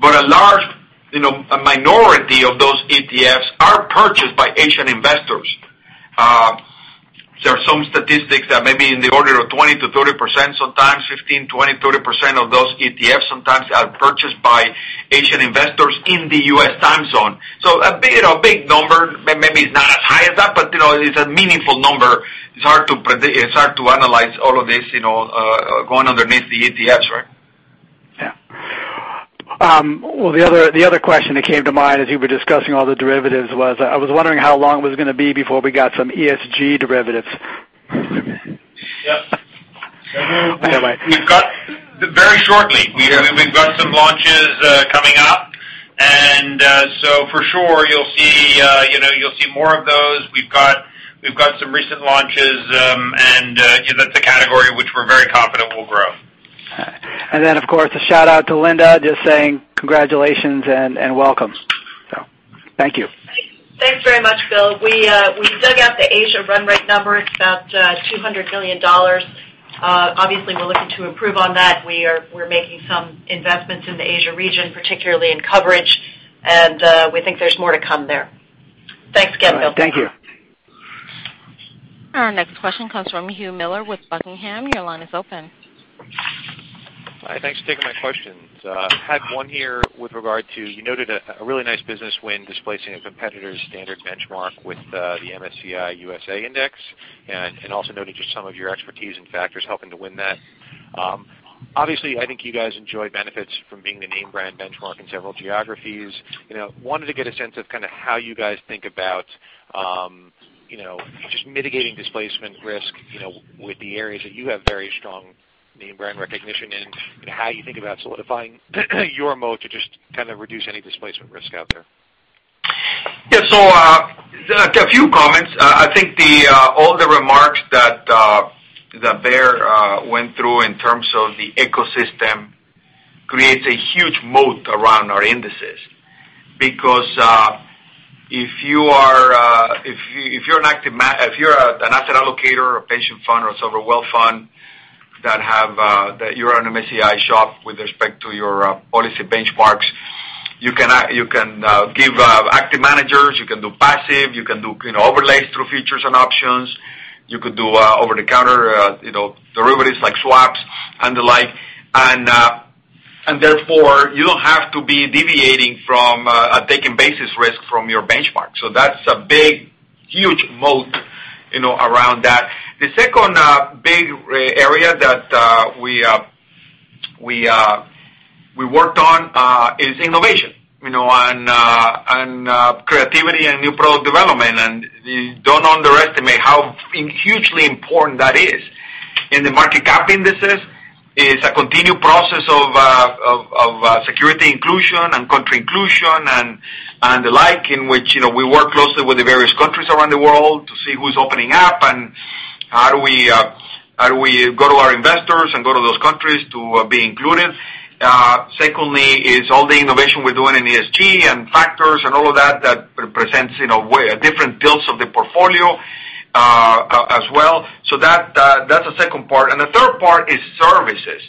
but a minority of those ETFs are purchased by Asian investors. There are some statistics that may be in the order of 20%-30%, sometimes 15%, 20%, 30% of those ETFs sometimes are purchased by Asian investors in the U.S. time zone. A big number, maybe it's not as high as that, but it's a meaningful number. It's hard to analyze all of this going underneath the ETFs, right? Yeah. Well, the other question that came to mind as you were discussing all the derivatives was, I was wondering how long it was going to be before we got some ESG derivatives. Yep. We've got very shortly. We've got some launches coming up. For sure you'll see more of those. We've got some recent launches. That's a category which we're very confident will grow. Of course, a shout-out to Linda, just saying congratulations and welcome. Thank you. Thanks very much, Bill. We dug out the Asia run rate number. It's about $200 million. Obviously, we're looking to improve on that. We're making some investments in the Asia region, particularly in coverage, and we think there's more to come there. Thanks again, Bill. Thank you. Our next question comes from Hugh Miller with Buckingham. Your line is open. Hi. Thanks for taking my questions. Had one here with regard to, you noted a really nice business win displacing a competitor's standard benchmark with the MSCI USA Index, and also noted just some of your expertise and factors helping to win that. Obviously, I think you guys enjoy benefits from being the name brand benchmark in several geographies. Wanted to get a sense of kind of how you guys think about just mitigating displacement risk with the areas that you have very strong name brand recognition in, and how you think about solidifying your moat to just kind of reduce any displacement risk out there. Yeah. A few comments. I think all the remarks that Baer went through in terms of the ecosystem creates a huge moat around our indices. If you're an asset allocator, a patient funder, or sovereign wealth fund that you're an MSCI shop with respect to your policy benchmarks. You can give active managers, you can do passive, you can do overlays through features and options. You could do over-the-counter derivatives like swaps and the like. Therefore, you don't have to be deviating from taking basis risk from your benchmark. That's a big, huge moat around that. The second big area that we worked on is innovation, and creativity and new product development. Don't underestimate how hugely important that is. In the market cap indices, it's a continued process of security inclusion and country inclusion, and the like, in which we work closely with the various countries around the world to see who's opening up and how do we go to our investors and go to those countries to be included. Secondly, is all the innovation we're doing in ESG and factors and all of that represents different builds of the portfolio as well. That's the second part. The third part is services.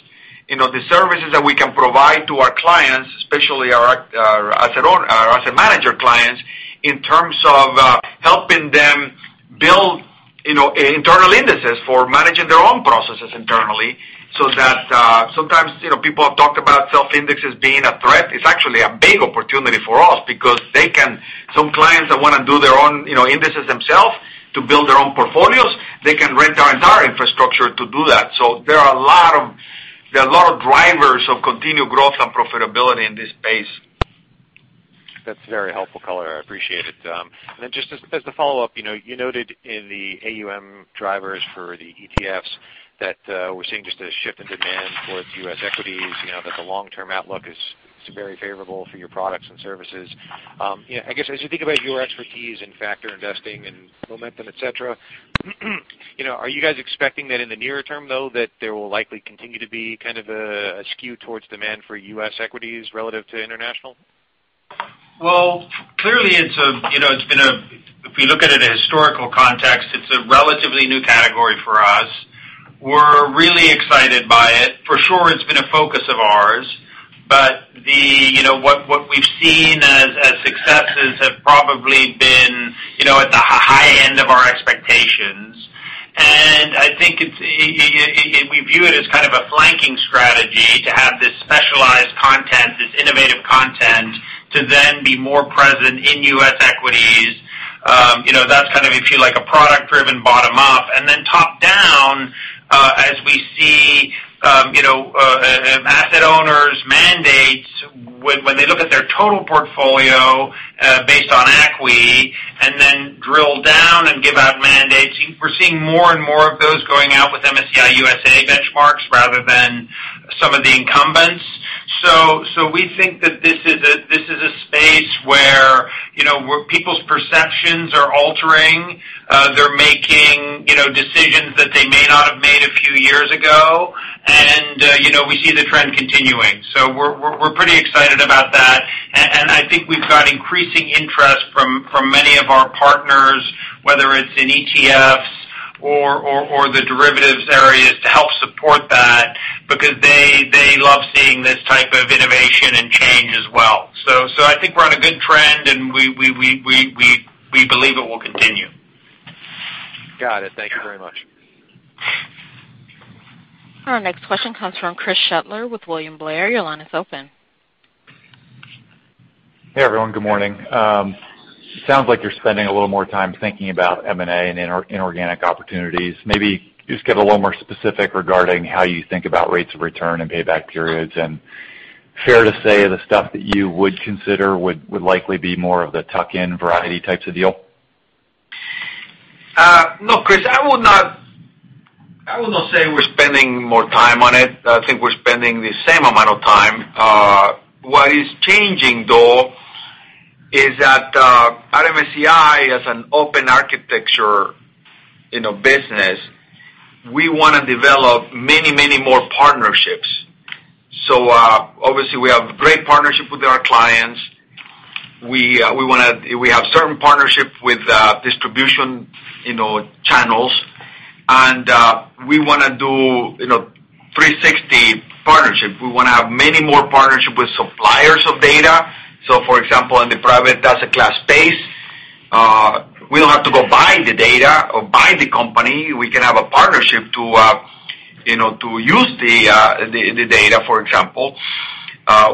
The services that we can provide to our clients, especially our asset manager clients, in terms of helping them build internal indices for managing their own processes internally. That sometimes, people have talked about self-indexes being a threat. It's actually a big opportunity for us because some clients that want to do their own indices themselves to build their own portfolios, they can rent our entire infrastructure to do that. There are a lot of drivers of continued growth and profitability in this space. That's very helpful color. I appreciate it. Then just as the follow-up, you noted in the AUM drivers for the ETFs that we're seeing just a shift in demand towards U.S. equities, that the long-term outlook is very favorable for your products and services. I guess, as you think about your expertise in factor investing and momentum, et cetera, are you guys expecting that in the nearer term, though, that there will likely continue to be kind of a skew towards demand for U.S. equities relative to international? Well, clearly, if we look at it in a historical context, it's a relatively new category for us. We're really excited by it. For sure it's been a focus of ours. What we've seen as successes have probably been at the high end of our expectations. I think we view it as kind of a flanking strategy to have this specialized content, this innovative content, to then be more present in U.S. equities. That's kind of, if you like, a product-driven bottom up. Top-down, as we see asset owners mandate when they look at their total portfolio based on ACWI and then drill down and give out mandates. We're seeing more and more of those going out with MSCI USA benchmarks rather than some of the incumbents. We think that this is a space where people's perceptions are altering. They're making decisions that they may not have made a few years ago, and we see the trend continuing. We're pretty excited about that, and I think we've got increasing interest from many of our partners, whether it's in ETFs or the derivatives areas to help support that because they love seeing this type of innovation and change as well. I think we're on a good trend, and we believe it will continue. Got it. Thank you very much. Our next question comes from Chris Shutler with William Blair. Your line is open. Hey, everyone. Good morning. Sounds like you're spending a little more time thinking about M&A and inorganic opportunities. Maybe just get a little more specific regarding how you think about rates of return and payback periods. Fair to say the stuff that you would consider would likely be more of the tuck-in variety types of deal? No, Chris, I would not say we're spending more time on it. I think we're spending the same amount of time. What is changing, though, is that at MSCI, as an open architecture business, we want to develop many more partnerships. Obviously we have great partnership with our clients. We have certain partnership with distribution channels, and we want to do 360 partnership. We want to have many more partnership with suppliers of data. For example, in the private asset class space, we don't have to go buy the data or buy the company. We can have a partnership to use the data, for example.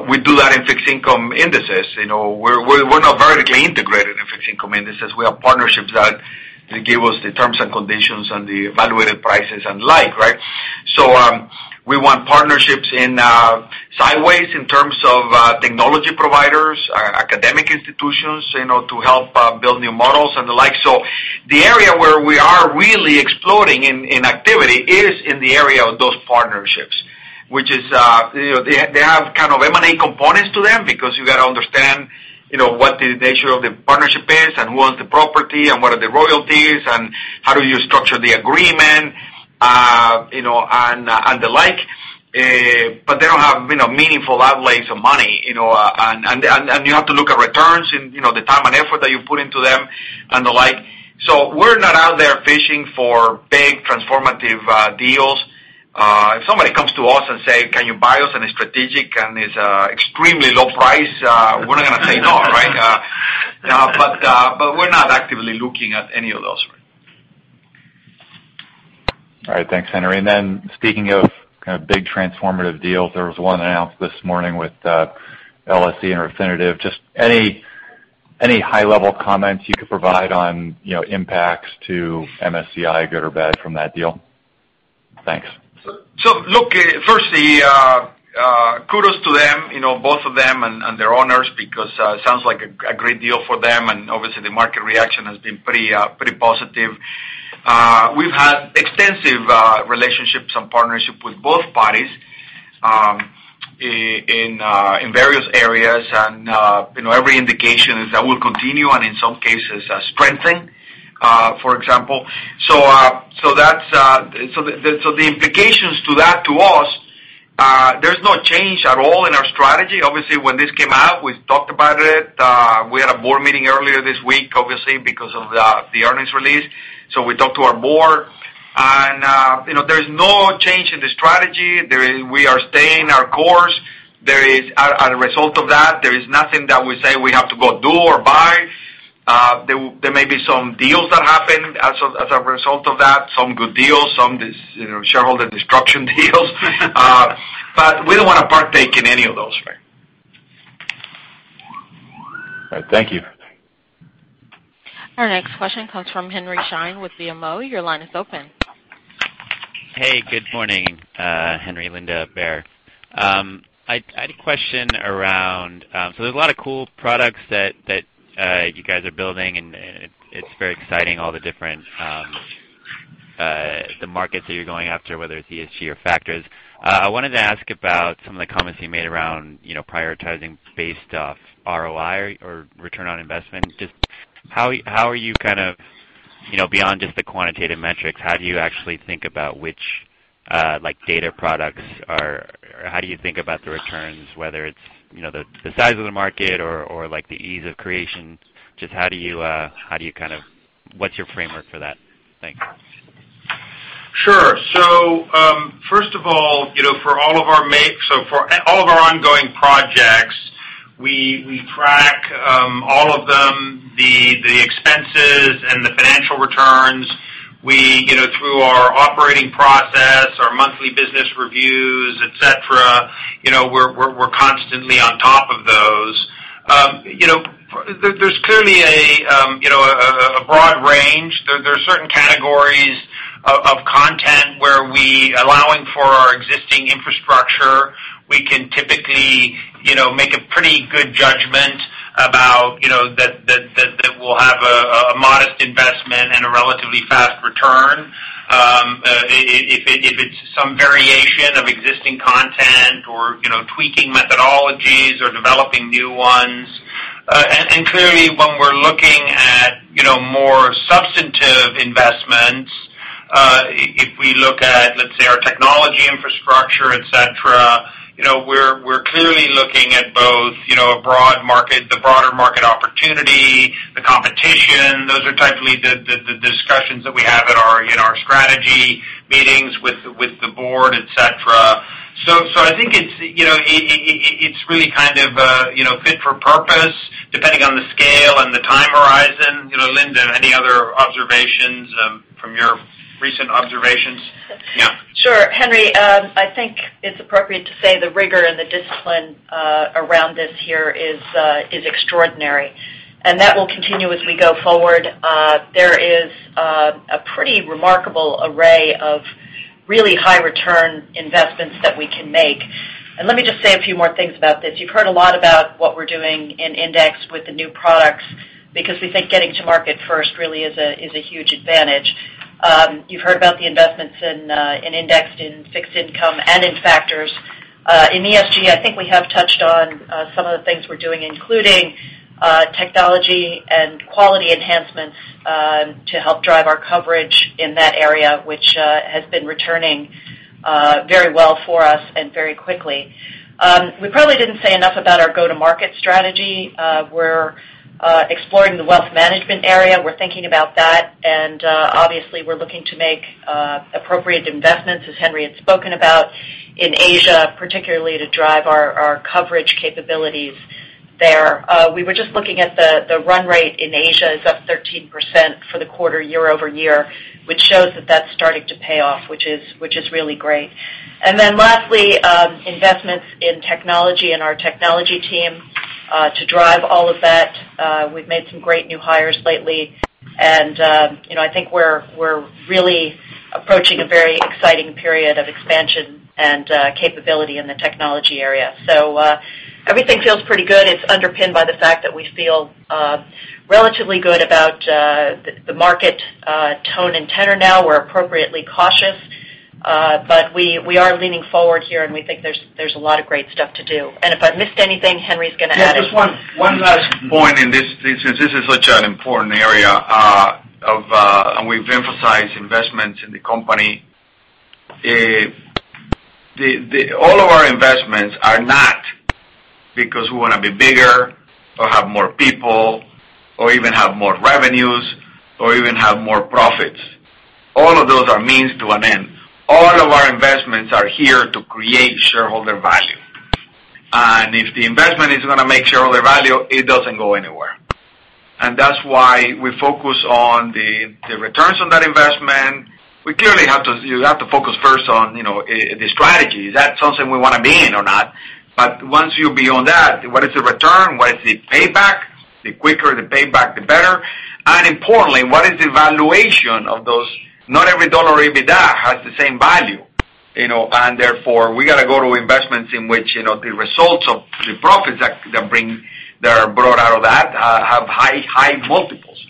We do that in fixed income indices. We're not vertically integrated in fixed income indices. We have partnerships that give us the terms and conditions and the evaluated prices and like, right? We want partnerships in sideways in terms of technology providers, academic institutions, to help build new models and the like. The area where we are really exploding in activity is in the area of those partnerships. They have kind of M&A components to them because you got to understand what the nature of the partnership is and who wants the property and what are the royalties, and how do you structure the agreement, and the like. They don't have meaningful outlays of money, and you have to look at returns and the time and effort that you put into them and the like. We're not out there fishing for big transformative deals. If somebody comes to us and say, "Can you buy us?" and it's strategic, and it's extremely low price, we're not going to say no, right? We're not actively looking at any of those right now. All right. Thanks, Henry. Speaking of big transformative deals, there was one announced this morning with LSE and Refinitiv. Just any high-level comments you could provide on impacts to MSCI, good or bad from that deal? Thanks. Look, firstly, kudos to them, both of them and their owners, because it sounds like a great deal for them, and obviously the market reaction has been pretty positive. We've had extensive relationships and partnership with both parties in various areas, and every indication is that will continue and in some cases strengthen, for example. The implications to that to us, there's no change at all in our strategy. Obviously, when this came out, we talked about it. We had a board meeting earlier this week, obviously because of the earnings release. We talked to our board, and there's no change in the strategy. We are staying our course. As a result of that, there is nothing that we say we have to go do or buy. There may be some deals that happen as a result of that, some good deals, some shareholder destruction deals, but we don't want to partake in any of those right now. All right. Thank you. Our next question comes from Henry Chien with BMO. Your line is open. Hey, good morning, Henry. Linda Huber. I had a question. There's a lot of cool products that you guys are building, and it's very exciting, all the different markets that you're going after, whether it's ESG or factors. I wanted to ask about some of the comments you made around prioritizing based off ROI or return on investment. How are you, beyond just the quantitative metrics, how do you actually think about the returns, whether it's the size of the market or the ease of creation? What's your framework for that? Thanks. Sure. First of all, for all of our ongoing projects, we track all of them, the expenses and the financial returns. Through our operating process, our monthly business reviews, et cetera, we're constantly on top of those. There's clearly a broad range. There are certain categories of content where we, allowing for our existing infrastructure, we can typically make a pretty good judgment about that will have a modest investment and a relatively fast return. If it's some variation of existing content or tweaking methodologies or developing new ones. Clearly, when we're looking at more substantive investments, if we look at, let's say, our technology infrastructure, et cetera, we're clearly looking at both a broad market, the broader market opportunity, the competition. Those are typically the discussions that we have in our strategy meetings with the board, et cetera. I think it's really fit for purpose, depending on the scale and the time horizon. Linda, any other observations from your recent observations? Yeah. Sure. Henry, I think it's appropriate to say the rigor and the discipline around this here is extraordinary, and that will continue as we go forward. There is a pretty remarkable array of really high return investments that we can make. Let me just say a few more things about this. You've heard a lot about what we're doing in index with the new products because we think getting to market first really is a huge advantage. You've heard about the investments in index, in fixed income, and in factors. In ESG, I think we have touched on some of the things we're doing, including technology and quality enhancements to help drive our coverage in that area, which has been returning very well for us and very quickly. We probably didn't say enough about our go-to-market strategy. We're exploring the wealth management area. We're thinking about that, obviously, we're looking to make appropriate investments, as Henry had spoken about, in Asia, particularly to drive our coverage capabilities there. We were just looking at the run rate in Asia is up 13% for the quarter year-over-year, which shows that that's starting to pay off, which is really great. Then lastly, investments in technology and our technology team to drive all of that. We've made some great new hires lately, I think we're really approaching a very exciting period of expansion and capability in the technology area. Everything feels pretty good. It's underpinned by the fact that we feel relatively good about the market tone and tenor now. We're appropriately cautious. We are leaning forward here, and we think there's a lot of great stuff to do. If I've missed anything, Henry's going to add it. Just one last point, this is such an important area. Investments in the company. All of our investments are not because we want to be bigger or have more people or even have more revenues or even have more profits. All of those are means to an end. All of our investments are here to create shareholder value. If the investment is going to make shareholder value, it doesn't go anywhere. That's why we focus on the returns on that investment. You have to focus first on the strategy. Is that something we want to be in or not? Once you're beyond that, what is the return? What is the payback? The quicker the payback, the better. Importantly, what is the valuation of those? Not every dollar EBITDA has the same value. Therefore, we got to go to investments in which the results of the profits that are brought out of that have high multiples.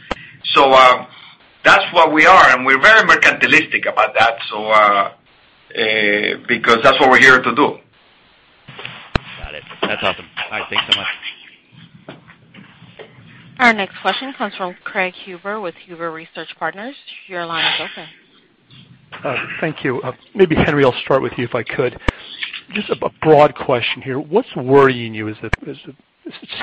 That's what we are, and we're very mercantilistic about that because that's what we're here to do. Got it. That's awesome. All right. Thanks so much. Our next question comes from Craig Huber with Huber Research Partners. Your line is open. Thank you. Maybe Henry, I'll start with you if I could. Just a broad question here. What's worrying you as the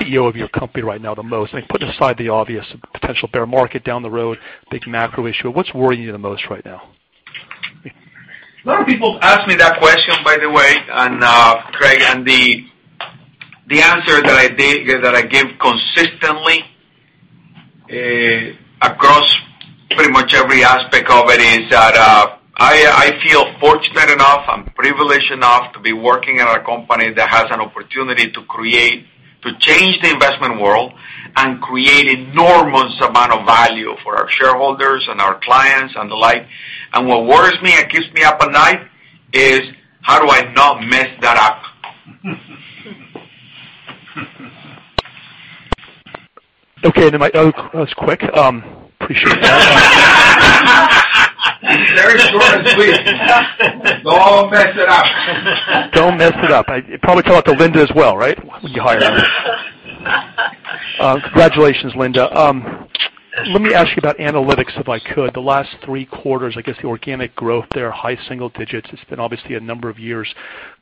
CEO of your company right now the most? Put aside the obvious, potential bear market down the road, big macro issue. What's worrying you the most right now? A lot of people ask me that question, by the way, Craig. The answer that I give consistently, across pretty much every aspect of it, is that I feel fortunate enough and privileged enough to be working at a company that has an opportunity to change the investment world and create enormous amount of value for our shareholders and our clients and the like. What worries me and keeps me up at night is how do I not mess that up? Okay. That was quick. Appreciate that. Very short and sweet. Don't mess it up. Don't mess it up. It probably fell out to Linda as well, right? When you hire. Congratulations, Linda. Let me ask you about analytics, if I could. The last three quarters, I guess, the organic growth there, high single digits. It's been obviously a number of years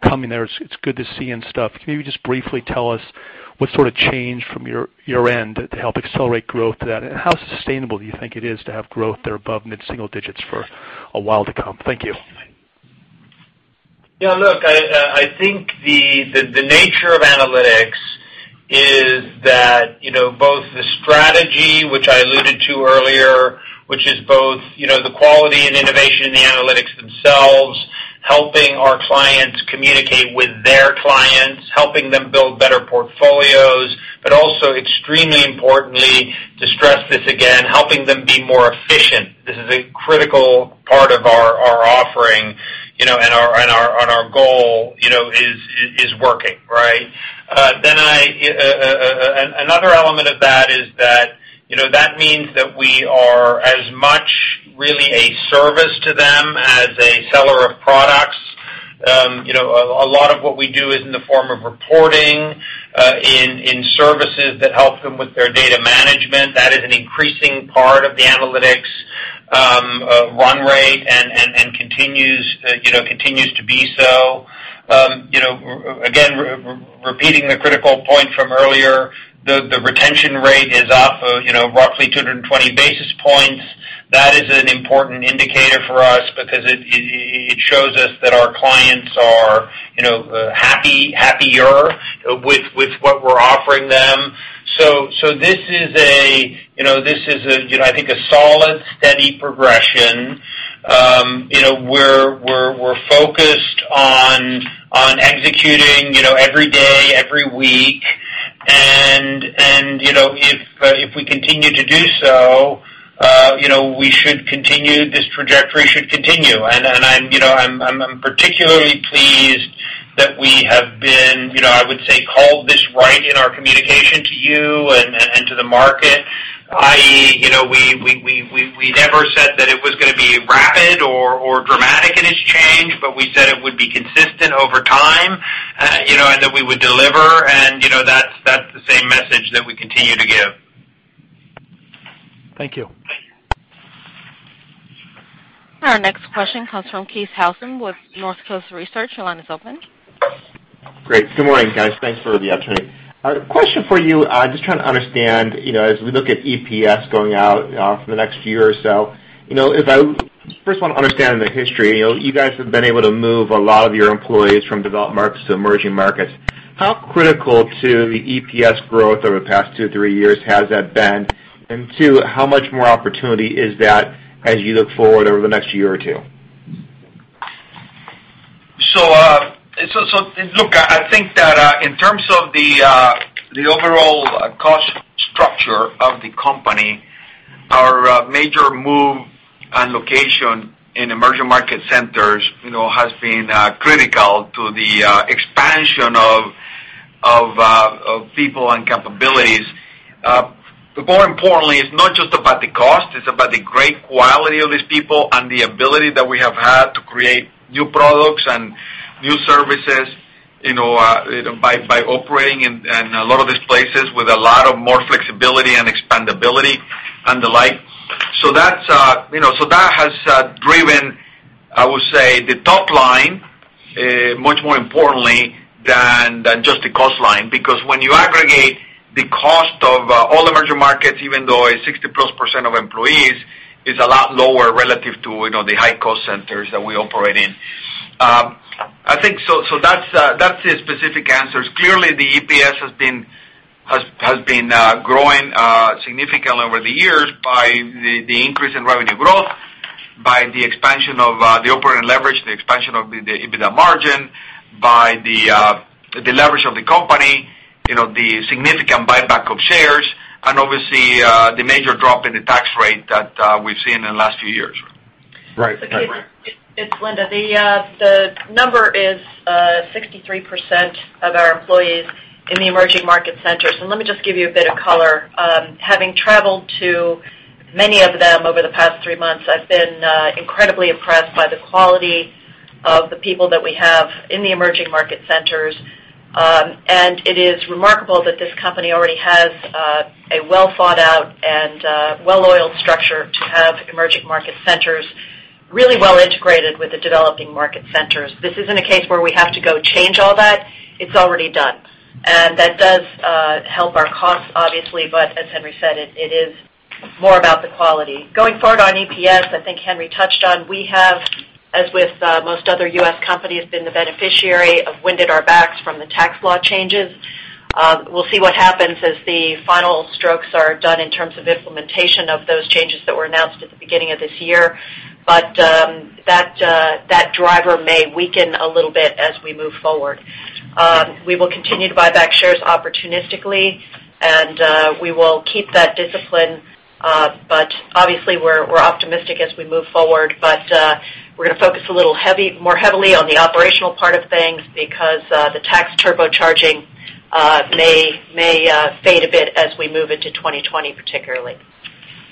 coming there. It's good to see and stuff. Can you just briefly tell us what sort of change from your end to help accelerate growth to that? How sustainable do you think it is to have growth that are above mid-single digits for a while to come? Thank you. Look, I think the nature of analytics is that both the strategy, which I alluded to earlier, which is both the quality and innovation in the analytics themselves, helping our clients communicate with their clients, helping them build better portfolios, but also extremely importantly, to stress this again, helping them be more efficient. This is a critical part of our offering, and our goal is working. Another element of that is that means that we are as much really a service to them as a seller of products. A lot of what we do is in the form of reporting, in services that help them with their data management. That is an increasing part of the analytics run rate and continues to be so. Again, repeating the critical point from earlier, the retention rate is up roughly 220 basis points. That is an important indicator for us because it shows us that our clients are happier with what we're offering them. This is, I think, a solid, steady progression. We're focused on executing every day, every week. If we continue to do so, this trajectory should continue. I'm particularly pleased that we have been, I would say, called this right in our communication to you and to the market, i.e., we never said that it was going to be rapid or dramatic in its change, but we said it would be consistent over time, and that we would deliver. That's the same message that we continue to give. Thank you. Our next question comes from Keith Housum with Northcoast Research. Your line is open. Great. Good morning, guys. Thanks for the opportunity. Question for you. Just trying to understand, as we look at EPS going out for the next year or so. First of all, understanding the history. You guys have been able to move a lot of your employees from developed markets to emerging markets. How critical to the EPS growth over the past 2, 3 years has that been? Two, how much more opportunity is that as you look forward over the next year or 2? Look, I think that in terms of the overall cost structure of the company, our major move and location in emerging market centers has been critical to the expansion of people and capabilities. More importantly, it's not just about the cost, it's about the great quality of these people and the ability that we have had to create new products and new services by operating in a lot of these places with a lot of more flexibility and expandability and the like. That has driven, I would say, the top line much more importantly than just the cost line, because when you aggregate the cost of all emerging markets, even though it's 60%-plus of employees, it's a lot lower relative to the high-cost centers that we operate in. That's the specific answers. Clearly, the EPS has been growing significantly over the years by the increase in revenue growth, by the expansion of the operating leverage, the expansion of the EBITDA margin, by the leverage of the company, the significant buyback of shares, and obviously, the major drop in the tax rate that we've seen in the last few years. Right. It's Linda. The number is 63% of our employees in the emerging market centers. Let me just give you a bit of color. Having traveled to many of them over the past three months, I've been incredibly impressed by the quality of the people that we have in the emerging market centers. It is remarkable that this company already has a well-thought-out and well-oiled structure to have emerging market centers really well integrated with the developing market centers. This isn't a case where we have to go change all that. It's already done. That does help our costs, obviously. As Henry said, it is more about the quality. Going forward on EPS, I think Henry touched on, we have, as with most other U.S. companies, been the beneficiary of wind at our backs from the tax law changes. We'll see what happens as the final strokes are done in terms of implementation of those changes that were announced at the beginning of this year. That driver may weaken a little bit as we move forward. We will continue to buy back shares opportunistically, and we will keep that discipline, but obviously, we're optimistic as we move forward. We're going to focus a little more heavily on the operational part of things because the tax turbocharging may fade a bit as we move into 2020, particularly.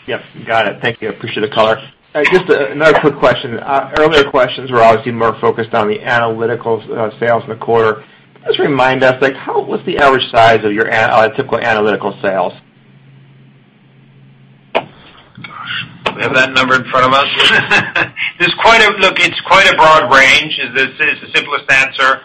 Yep, got it. Thank you. Appreciate the color. Just another quick question. Earlier questions were obviously more focused on the analytical sales in the quarter. Just remind us, what is the average size of your typical analytical sales? Gosh. Do we have that number in front of us? Look, it's quite a broad range, is the simplest answer.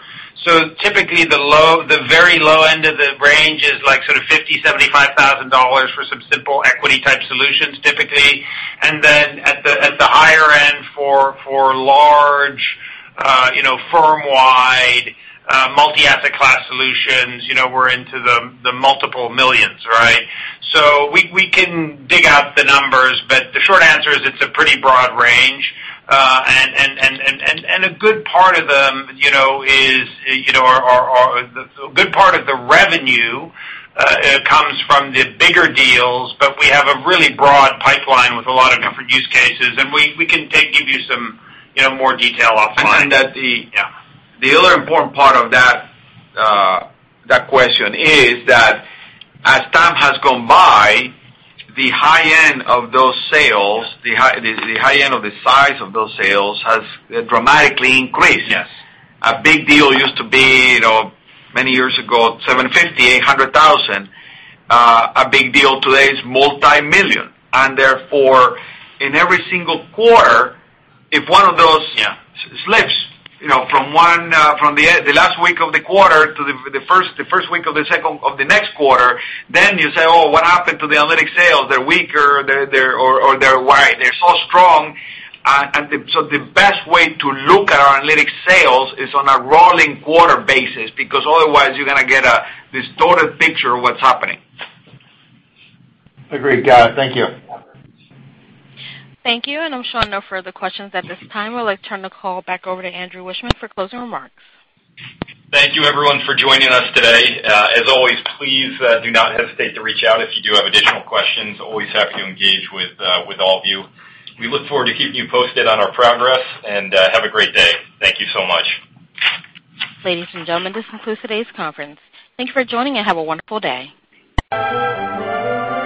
Typically, the very low end of the range is sort of $50,000, $75,000 for some simple equity-type solutions, typically. Then at the higher end for large firm-wide multi-asset class solutions, we're into the multiple millions, right? We can dig out the numbers, but the short answer is it's a pretty broad range. A good part of the revenue comes from the bigger deals, but we have a really broad pipeline with a lot of different use cases, and we can give you some more detail offline. The other important part of that question is that as time has gone by, the high end of those sales, the high end of the size of those sales has dramatically increased. Yes. A big deal used to be, many years ago, $750,000, $800,000. A big deal today is multi-million. Therefore, in every single quarter, if one of those slips from the last week of the quarter to the first week of the next quarter, then you say, "Oh, what happened to the analytics sales? They're weaker or they're so strong." The best way to look at our analytics sales is on a rolling quarter basis because otherwise you're going to get a distorted picture of what's happening. Agreed. Got it. Thank you. Thank you. I'm showing no further questions at this time. I would like to turn the call back over to Andrew Wiechmann for closing remarks. Thank you everyone for joining us today. As always, please do not hesitate to reach out if you do have additional questions. Always happy to engage with all of you. We look forward to keeping you posted on our progress, and have a great day. Thank you so much. Ladies and gentlemen, this concludes today's conference. Thank you for joining, and have a wonderful day.